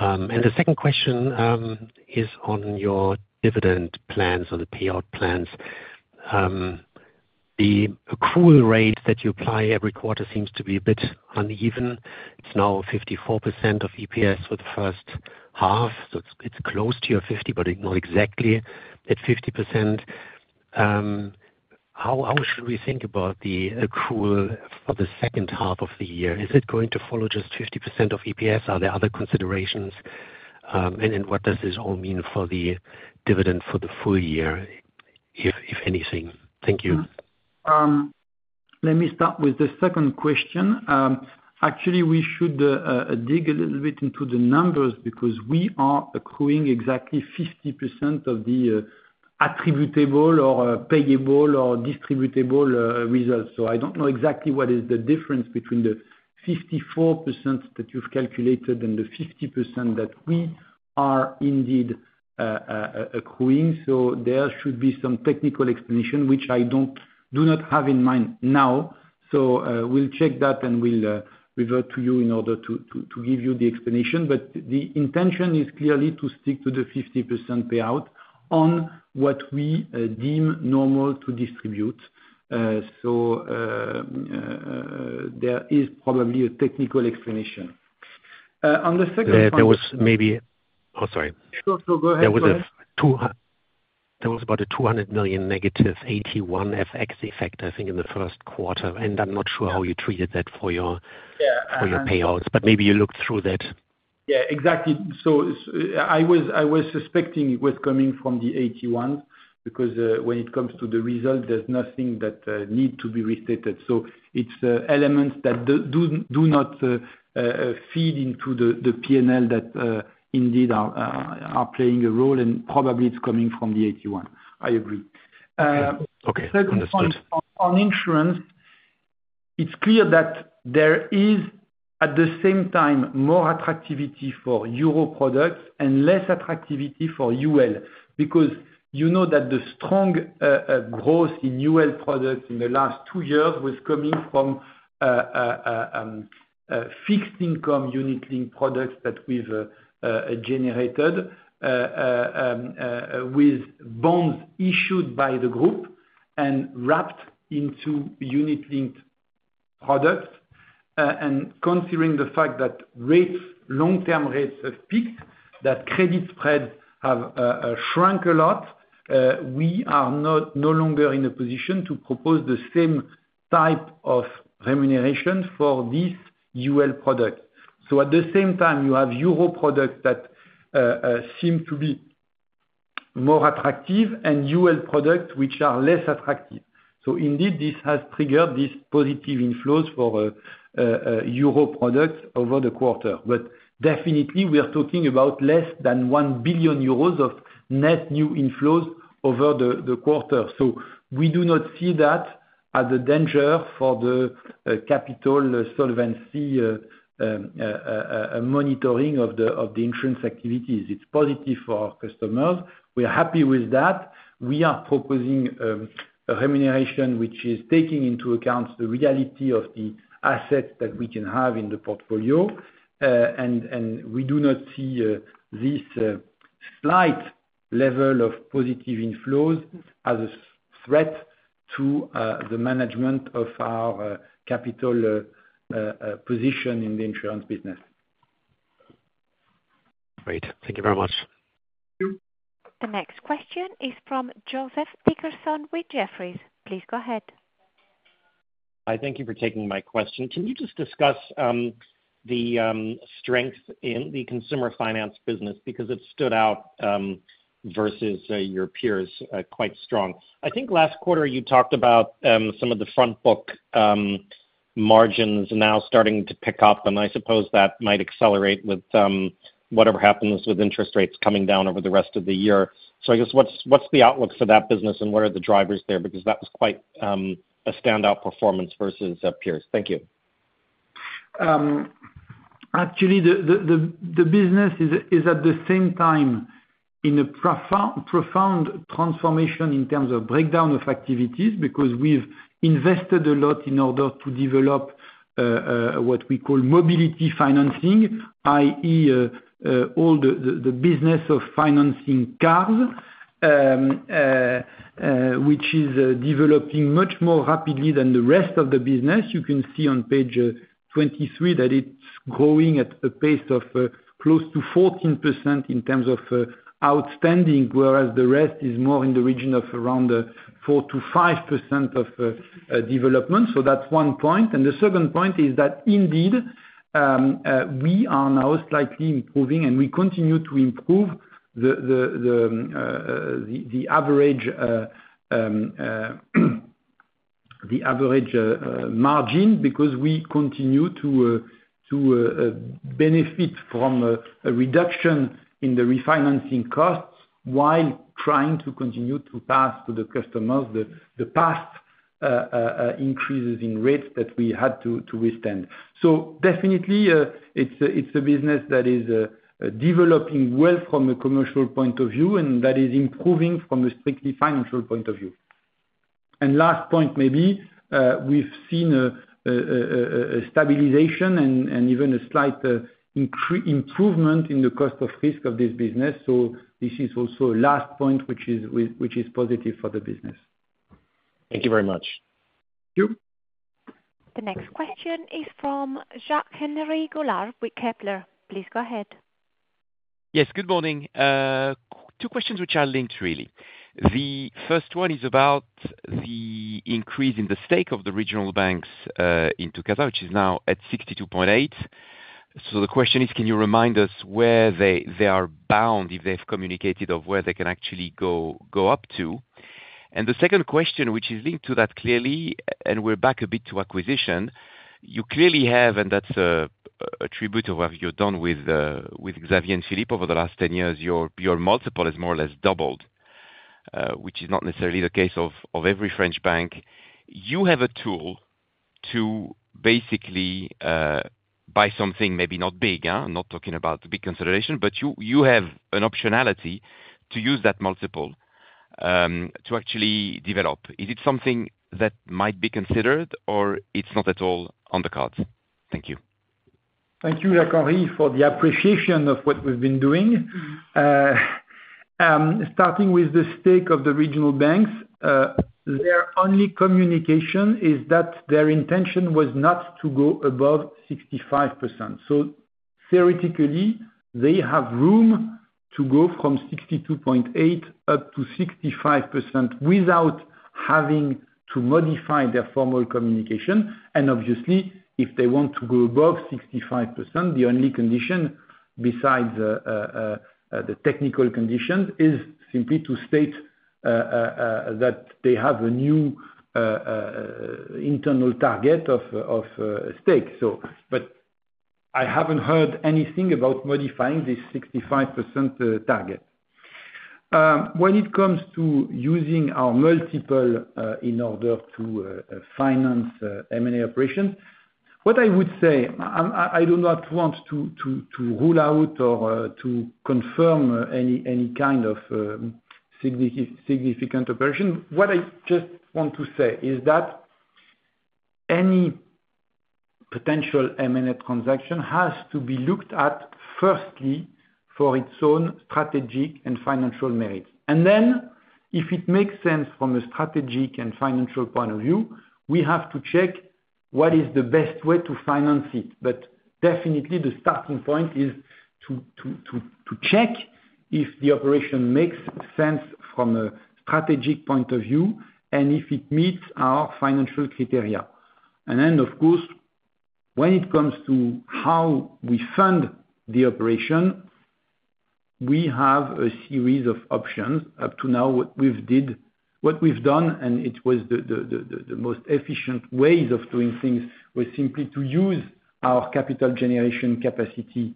And the second question is on your dividend plans or the payout plans. The accrual rate that you apply every quarter seems to be a bit uneven. It's now 54% of EPS for the first half. So it's close to your 50%, but not exactly at 50%. How should we think about the accrual for the second half of the year? Is it going to follow just 50% of EPS? Are there other considerations? And what does this all mean for the dividend for the full year, if anything? Thank you. Let me start with the second question. Actually, we should dig a little bit into the numbers because we are accruing exactly 50% of the attributable or payable or distributable results. So I don't know exactly what is the difference between the 54% that you've calculated and the 50% that we are indeed accruing. So there should be some technical explanation, which I do not have in mind now. So we'll check that and we'll revert to you in order to give you the explanation. But the intention is clearly to stick to the 50% payout on what we deem normal to distribute. So there is probably a technical explanation. On the second part. There was maybe, oh, sorry. Sure, sure. Go ahead. There was about a 200 million negative 81 FX effect, I think, in the first quarter. And I'm not sure how you treated that for your payouts, but maybe you looked through that. Yeah, exactly. So I was suspecting it was coming from the AT1s because when it comes to the result, there's nothing that needs to be restated. So it's elements that do not feed into the P&L that indeed are playing a role, and probably it's coming from the AT1. I agree. Okay. Understood. On insurance, it's clear that there is, at the same time, more attractivity for Euro products and less attractivity for UL because you know that the strong growth in UL products in the last two years was coming from fixed income unit-linked products that we've generated with bonds issued by the group and wrapped into unit-linked products. And considering the fact that long-term rates have peaked, that credit spreads have shrunk a lot, we are no longer in a position to propose the same type of remuneration for these UL products. So at the same time, you have Euro products that seem to be more attractive and UL products which are less attractive. So indeed, this has triggered these positive inflows for Euro products over the quarter. But definitely, we are talking about less than 1 billion euros of net new inflows over the quarter. We do not see that as a danger for the capital solvency monitoring of the insurance activities. It's positive for our customers. We are happy with that. We are proposing a remuneration which is taking into account the reality of the assets that we can have in the portfolio. We do not see this slight level of positive inflows as a threat to the management of our capital position in the insurance business. Great. Thank you very much. Thank you. The next question is from Joseph Dickerson with Jefferies. Please go ahead. Hi, thank you for taking my question. Can you just discuss the strength in the consumer finance business because it stood out versus your peers quite strong? I think last quarter, you talked about some of the front book margins now starting to pick up, and I suppose that might accelerate with whatever happens with interest rates coming down over the rest of the year. So I guess what's the outlook for that business, and what are the drivers there? Because that was quite a standout performance versus peers. Thank you. Actually, the business is at the same time in a profound transformation in terms of breakdown of activities because we've invested a lot in order to develop what we call mobility financing, i.e., all the business of financing cars, which is developing much more rapidly than the rest of the business. You can see on page 23 that it's growing at a pace of close to 14% in terms of outstanding, whereas the rest is more in the region of around 4%-5% of development. So that's one point. And the second point is that indeed, we are now slightly improving, and we continue to improve the average margin because we continue to benefit from a reduction in the refinancing costs while trying to continue to pass to the customers the past increases in rates that we had to withstand. So definitely, it's a business that is developing well from a commercial point of view, and that is improving from a strictly financial point of view. And last point, maybe, we've seen a stabilization and even a slight improvement in the cost of risk of this business. So this is also a last point which is positive for the business. Thank you very much. Thank you. The next question is from Jacques-Henri Gaulard with Kepler Cheuvreux. Please go ahead. Yes, good morning. Two questions which are linked, really. The first one is about the increase in the stake of the regional banks in CASA, which is now at 62.8%. So the question is, can you remind us where they are bound, if they've communicated, of where they can actually go up to? And the second question, which is linked to that clearly, and we're back a bit to acquisition, you clearly have, and that's a tribute to what you've done with Xavier and Philippe over the last 10 years, your multiple has more or less doubled, which is not necessarily the case of every French bank. You have a tool to basically buy something, maybe not big, not talking about big consideration, but you have an optionality to use that multiple to actually develop. Is it something that might be considered, or it's not at all on the cards? Thank you. Thank you, Jacques-Henri, for the appreciation of what we've been doing. Starting with the stake of the regional banks, their only communication is that their intention was not to go above 65%. So theoretically, they have room to go from 62.8 up to 65% without having to modify their formal communication. And obviously, if they want to go above 65%, the only condition besides the technical conditions is simply to state that they have a new internal target of stake. But I haven't heard anything about modifying this 65% target. When it comes to using our multiple in order to finance M&A operations, what I would say, I do not want to rule out or to confirm any kind of significant operation. What I just want to say is that any potential M&A transaction has to be looked at firstly for its own strategic and financial merits. Then, if it makes sense from a strategic and financial point of view, we have to check what is the best way to finance it. Definitely, the starting point is to check if the operation makes sense from a strategic point of view and if it meets our financial criteria. Then, of course, when it comes to how we fund the operation, we have a series of options. Up to now, what we've done, and it was the most efficient ways of doing things, was simply to use our capital generation capacity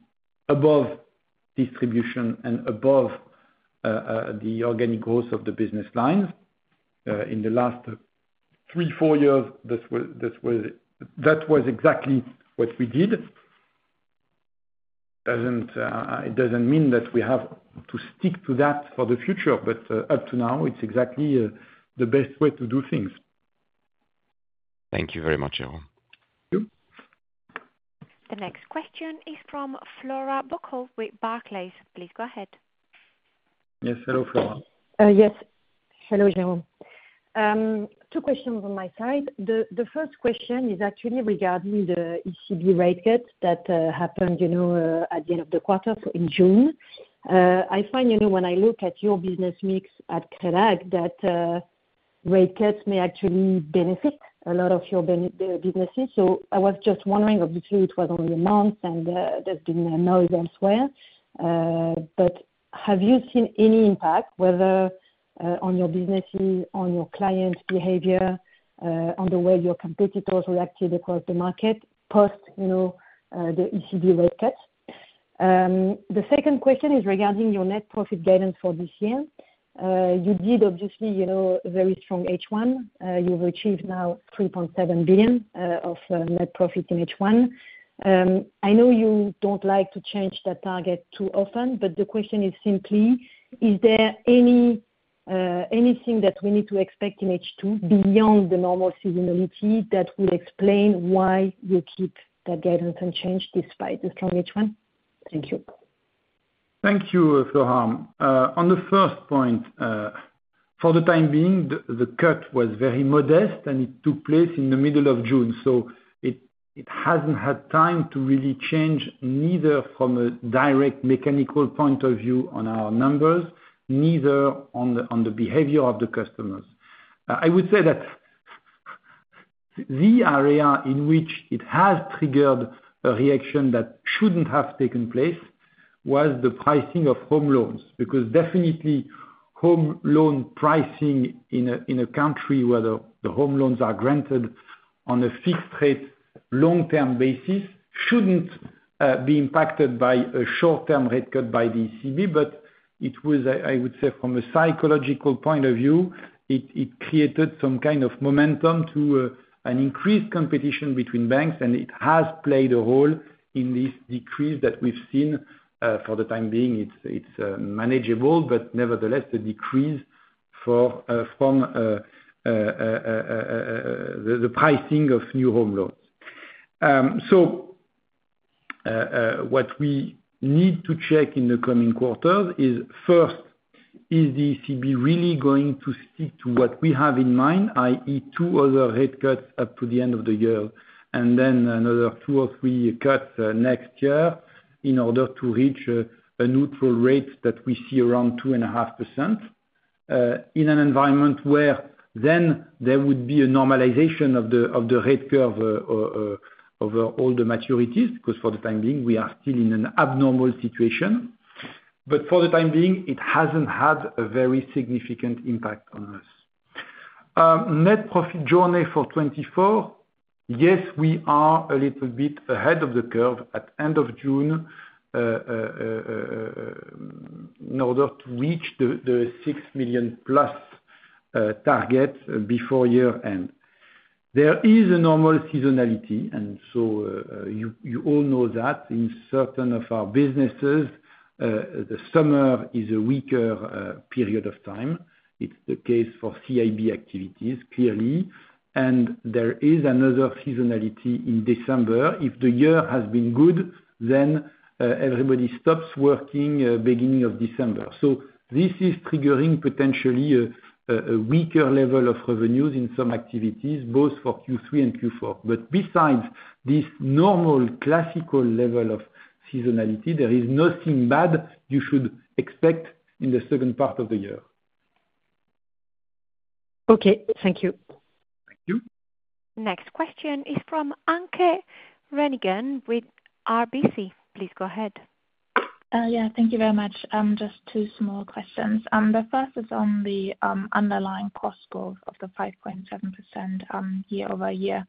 above distribution and above the organic growth of the business lines. In the last three, four years, that was exactly what we did. It doesn't mean that we have to stick to that for the future, but up to now, it's exactly the best way to do things. Thank you very much, Jérôme. Thank you. The next question is from Flora Bocahut with Barclays. Please go ahead. Yes. Hello, Flora. Yes. Hello, Jérôme. Two questions on my side. The first question is actually regarding the ECB rate cuts that happened at the end of the quarter in June. I find when I look at your business mix at Crédit Agricole, that rate cuts may actually benefit a lot of your businesses. So I was just wondering if it was only a month and there's been noise elsewhere. But have you seen any impact, whether on your businesses, on your client behavior, on the way your competitors reacted across the market post the ECB rate cuts? The second question is regarding your net profit guidance for this year. You did, obviously, a very strong H1. You've achieved now 3.7 billion of net profit in H1. I know you don't like to change that target too often, but the question is simply, is there anything that we need to expect in H2 beyond the normal seasonality that will explain why you keep that guidance unchanged despite the strong H1? Thank you. Thank you, Flora. On the first point, for the time being, the cut was very modest, and it took place in the middle of June. So it hasn't had time to really change neither from a direct mechanical point of view on our numbers, neither on the behavior of the customers. I would say that the area in which it has triggered a reaction that shouldn't have taken place was the pricing of home loans because definitely, home loan pricing in a country where the home loans are granted on a fixed rate long-term basis shouldn't be impacted by a short-term rate cut by the ECB. But it was, I would say, from a psychological point of view, it created some kind of momentum to an increased competition between banks, and it has played a role in this decrease that we've seen. For the time being, it's manageable, but nevertheless, a decrease from the pricing of new home loans. So what we need to check in the coming quarters is, first, is the ECB really going to stick to what we have in mind, i.e., two other rate cuts up to the end of the year, and then another two or three cuts next year in order to reach a neutral rate that we see around 2.5% in an environment where then there would be a normalization of the rate curve over all the maturities because for the time being, we are still in an abnormal situation. But for the time being, it hasn't had a very significant impact on us. Net profit journey for 2024, yes, we are a little bit ahead of the curve at the end of June in order to reach the 6 billion-plus target before year-end. There is a normal seasonality, and so you all know that in certain of our businesses, the summer is a weaker period of time. It's the case for CIB activities, clearly. There is another seasonality in December. If the year has been good, then everybody stops working beginning of December. So this is triggering potentially a weaker level of revenues in some activities, both for Q3 and Q4. But besides this normal classical level of seasonality, there is nothing bad you should expect in the second part of the year. Okay. Thank you. Thank you. Next question is from Anke Reingen with RBC. Please go ahead. Yeah. Thank you very much. Just two small questions. The first is on the underlying cost goal of the 5.7% year-over-year.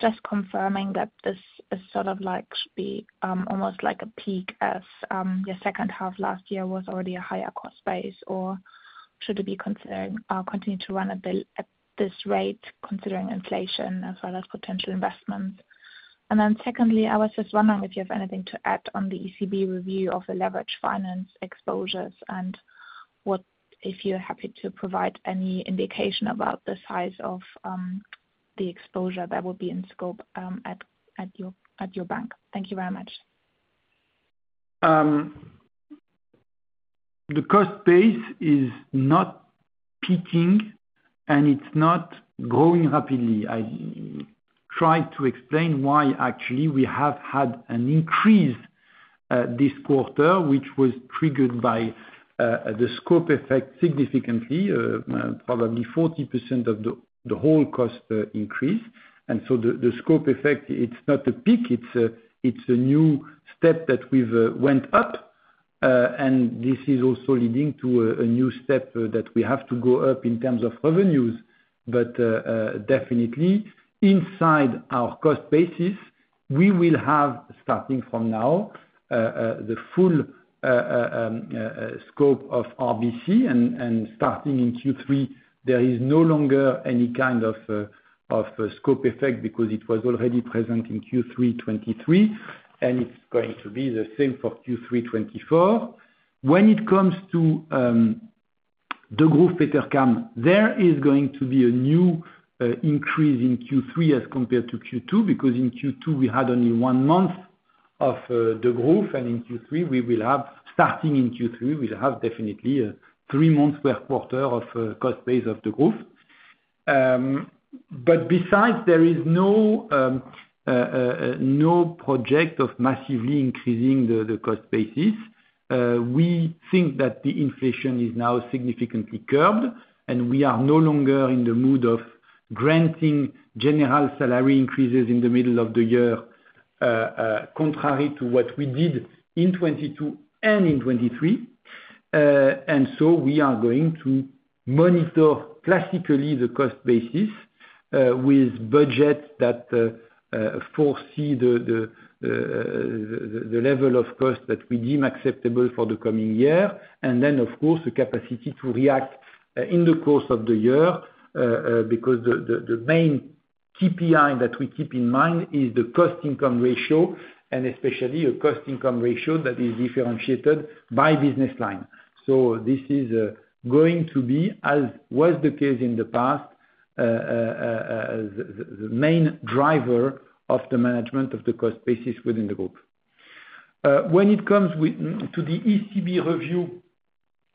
Just confirming that this is sort of like should be almost like a peak as your second half last year was already a higher cost base, or should we continue to run at this rate considering inflation as well as potential investments? And then secondly, I was just wondering if you have anything to add on the ECB review of the leverage finance exposures and if you're happy to provide any indication about the size of the exposure that would be in scope at your bank. Thank you very much. The cost base is not peaking, and it's not growing rapidly. I tried to explain why actually we have had an increase this quarter, which was triggered by the scope effect significantly, probably 40% of the whole cost increase. And so the scope effect, it's not a peak. It's a new step that we've went up, and this is also leading to a new step that we have to go up in terms of revenues. But definitely, inside our cost basis, we will have, starting from now, the full scope of RBC, and starting in Q3, there is no longer any kind of scope effect because it was already present in Q3 2023, and it's going to be the same for Q3 2024. When it comes to Degroof Petercam, there is going to be a new increase in Q3 as compared to Q2 because in Q2, we had only one month of Degroof, and in Q3, we will have starting in Q3, we'll have definitely a three-month per quarter of cost base of Degroof. But besides, there is no project of massively increasing the cost basis. We think that the inflation is now significantly curbed, and we are no longer in the mood of granting general salary increases in the middle of the year, contrary to what we did in 2022 and in 2023. And so we are going to monitor classically the cost basis with budgets that foresee the level of cost that we deem acceptable for the coming year. And then, of course, the capacity to react in the course of the year because the main KPI that we keep in mind is the cost-income ratio, and especially a cost-income ratio that is differentiated by business line. So this is going to be, as was the case in the past, the main driver of the management of the cost basis within the group. When it comes to the ECB review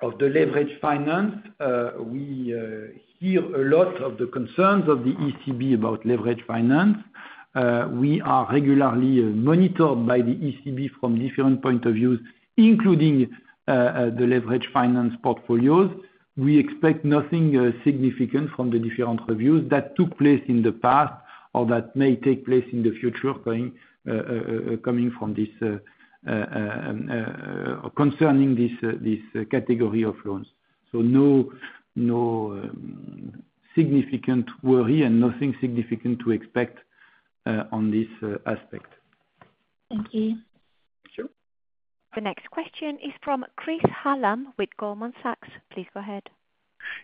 of the leverage finance, we hear a lot of the concerns of the ECB about leverage finance. We are regularly monitored by the ECB from different points of view, including the leverage finance portfolios. We expect nothing significant from the different reviews that took place in the past or that may take place in the future coming from concerning this category of loans. So no significant worry and nothing significant to expect on this aspect. Thank you. Thank you. The next question is from Chris Hallam with Goldman Sachs. Please go ahead.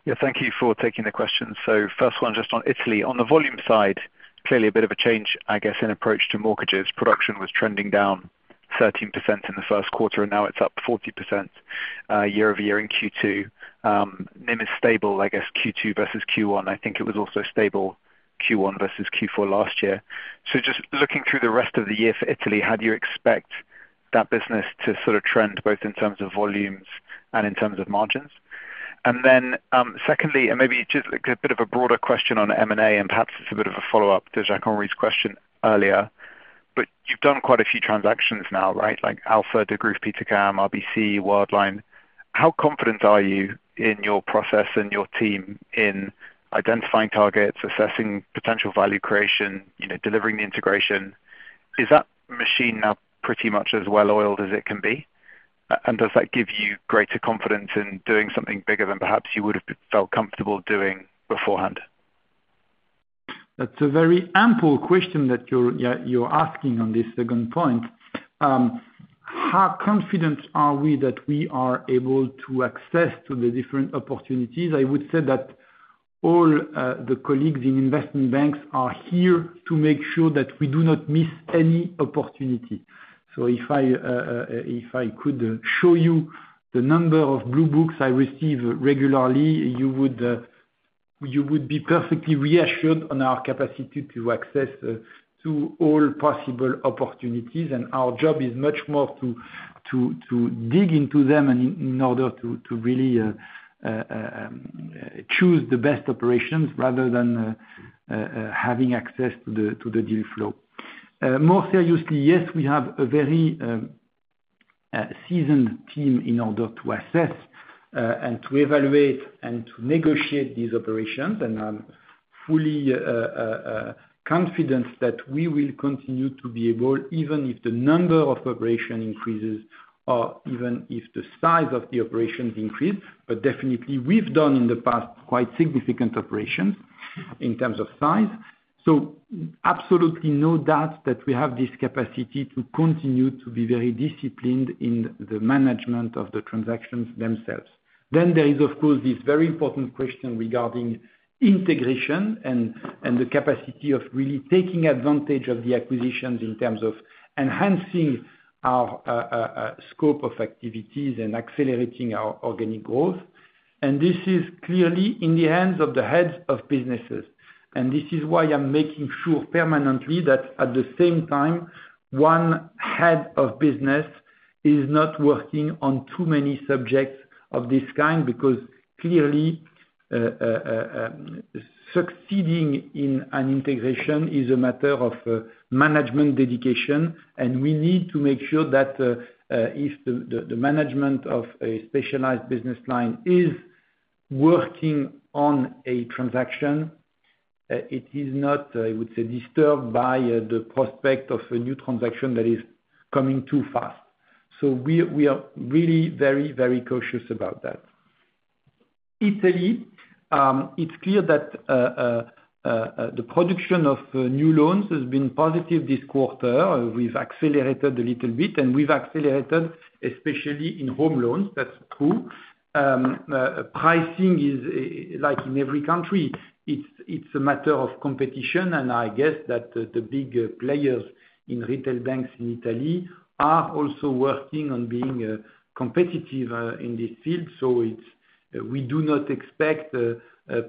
Yeah. Thank you for taking the question. So first one, just on Italy. On the volume side, clearly a bit of a change, I guess, in approach to mortgages. Production was trending down 13% in the first quarter, and now it's up 40% year-over-year in Q2. NIM is stable, I guess, Q2 versus Q1. I think it was also stable Q1 versus Q4 last year. So just looking through the rest of the year for Italy, how do you expect that business to sort of trend both in terms of volumes and in terms of margins? And then secondly, and maybe just a bit of a broader question on M&A, and perhaps it's a bit of a follow-up to Jacques-Henri's question earlier, but you've done quite a few transactions now, right? Like Alpha, Degroof Petercam, RBC, Worldline. How confident are you in your process and your team in identifying targets, assessing potential value creation, delivering the integration? Is that machine now pretty much as well-oiled as it can be? And does that give you greater confidence in doing something bigger than perhaps you would have felt comfortable doing beforehand? That's a very ample question that you're asking on this second point. How confident are we that we are able to access the different opportunities? I would say that all the colleagues in investment banks are here to make sure that we do not miss any opportunity. So if I could show you the number of blue books I receive regularly, you would be perfectly reassured on our capacity to access all possible opportunities. Our job is much more to dig into them in order to really choose the best operations rather than having access to the deal flow. More seriously, yes, we have a very seasoned team in order to assess and to evaluate and to negotiate these operations. I'm fully confident that we will continue to be able, even if the number of operations increases or even if the size of the operations increases. But definitely, we've done in the past quite significant operations in terms of size. So absolutely no doubt that we have this capacity to continue to be very disciplined in the management of the transactions themselves. Then there is, of course, this very important question regarding integration and the capacity of really taking advantage of the acquisitions in terms of enhancing our scope of activities and accelerating our organic growth. And this is clearly in the hands of the heads of businesses. And this is why I'm making sure permanently that at the same time, one head of business is not working on too many subjects of this kind because clearly succeeding in an integration is a matter of management dedication. We need to make sure that if the management of a specialized business line is working on a transaction, it is not, I would say, disturbed by the prospect of a new transaction that is coming too fast. So we are really very, very cautious about that. Italy, it's clear that the production of new loans has been positive this quarter. We've accelerated a little bit, and we've accelerated, especially in home loans. That's true. Pricing is like in every country. It's a matter of competition, and I guess that the big players in retail banks in Italy are also working on being competitive in this field. So we do not expect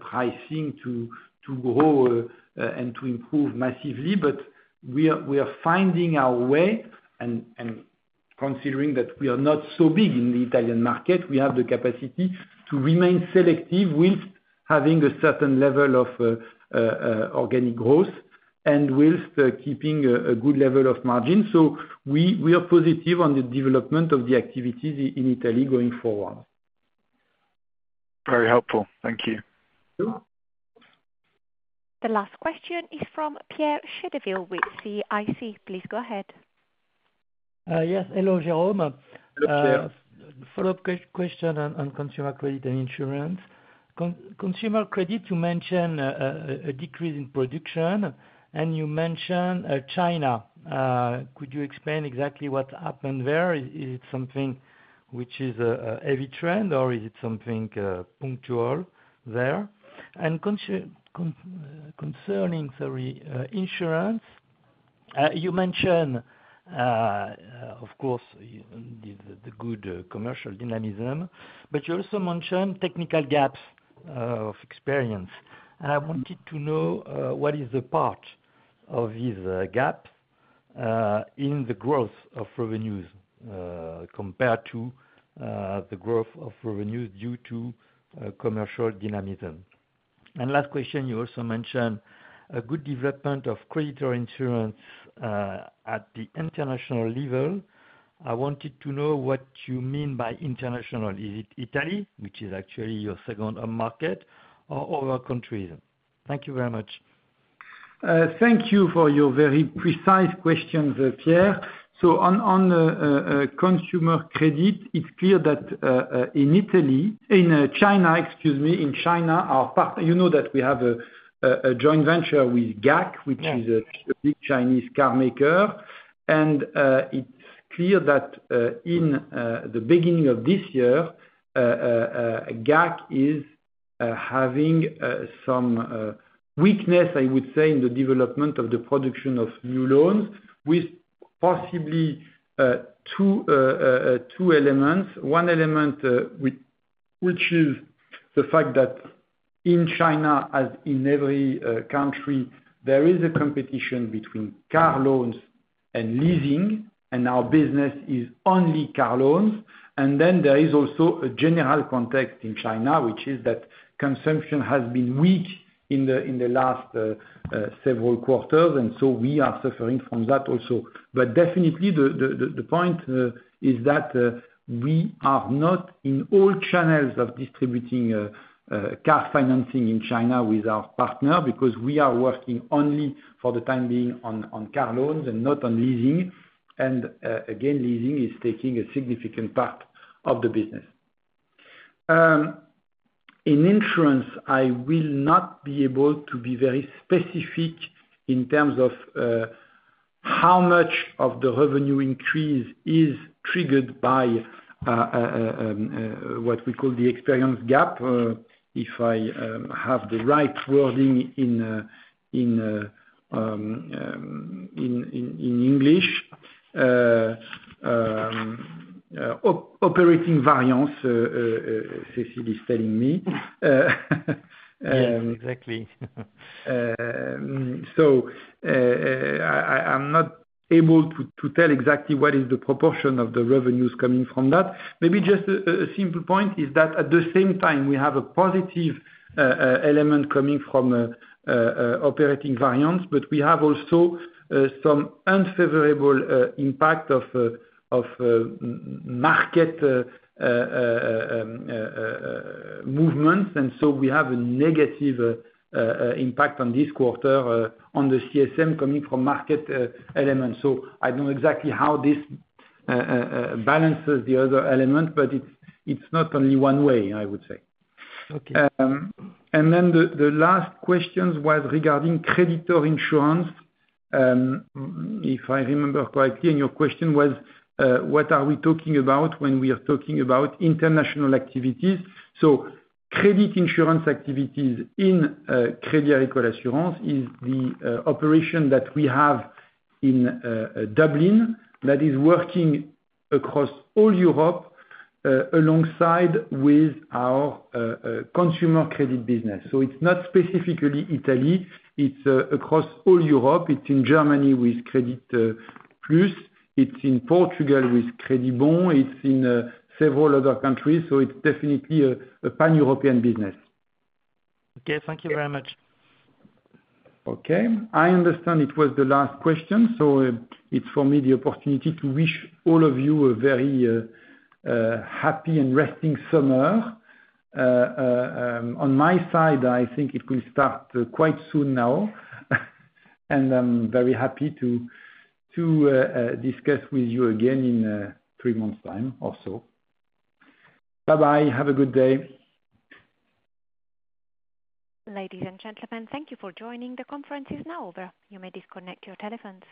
pricing to grow and to improve massively, but we are finding our way. Considering that we are not so big in the Italian market, we have the capacity to remain selective whilst having a certain level of organic growth and whilst keeping a good level of margin. So we are positive on the development of the activities in Italy going forward. Very helpful. Thank you. The last question is from Pierre Chédeville with CIC. Please go ahead. Yes. Hello, Jérôme. Hello, Pierre. Follow-up question on consumer credit and insurance. Consumer credit, you mentioned a decrease in production, and you mentioned China. Could you explain exactly what happened there? Is it something which is a heavy trend, or is it something punctual there? And concerning, sorry, insurance, you mentioned, of course, the good commercial dynamism, but you also mentioned technical gaps of experience. I wanted to know what is the part of these gaps in the growth of revenues compared to the growth of revenues due to commercial dynamism. Last question, you also mentioned a good development of creditor insurance at the international level. I wanted to know what you mean by international. Is it Italy, which is actually your second market, or other countries? Thank you very much. Thank you for your very precise questions, Pierre. So on consumer credit, it's clear that in Italy in China, excuse me, in China, you know that we have a joint venture with GAC, which is a big Chinese car maker. And it's clear that in the beginning of this year, GAC is having some weakness, I would say, in the development of the production of new loans with possibly two elements. One element, which is the fact that in China, as in every country, there is a competition between car loans and leasing, and our business is only car loans. And then there is also a general context in China, which is that consumption has been weak in the last several quarters, and so we are suffering from that also. But definitely, the point is that we are not in all channels of distributing car financing in China with our partner because we are working only for the time being on car loans and not on leasing. And again, leasing is taking a significant part of the business. In insurance, I will not be able to be very specific in terms of how much of the revenue increase is triggered by what we call the experience gap, if I have the right wording in English. Operating variance, Cécile is telling me. Yes, exactly. So I'm not able to tell exactly what is the proportion of the revenues coming from that. Maybe just a simple point is that at the same time, we have a positive element coming from operating variance, but we have also some unfavorable impact of market movements. And so we have a negative impact on this quarter on the CSM coming from market elements. So I don't know exactly how this balances the other element, but it's not only one way, I would say. And then the last question was regarding creditor insurance. If I remember correctly, and your question was, what are we talking about when we are talking about international activities? So credit insurance activities in Crédit Agricole Assurances is the operation that we have in Dublin that is working across all Europe alongside with our consumer credit business. So it's not specifically Italy. It's across all Europe. It's in Germany with Creditplus. It's in Portugal with Credibom. It's in several other countries. So it's definitely a pan-European business. Okay. Thank you very much. Okay. I understand it was the last question. So it's for me the opportunity to wish all of you a very happy and resting summer. On my side, I think it will start quite soon now. And I'm very happy to discuss with you again in three months' time or so. Bye-bye. Have a good day. Ladies and gentlemen, thank you for joining. The conference is now over. You may disconnect your telephones.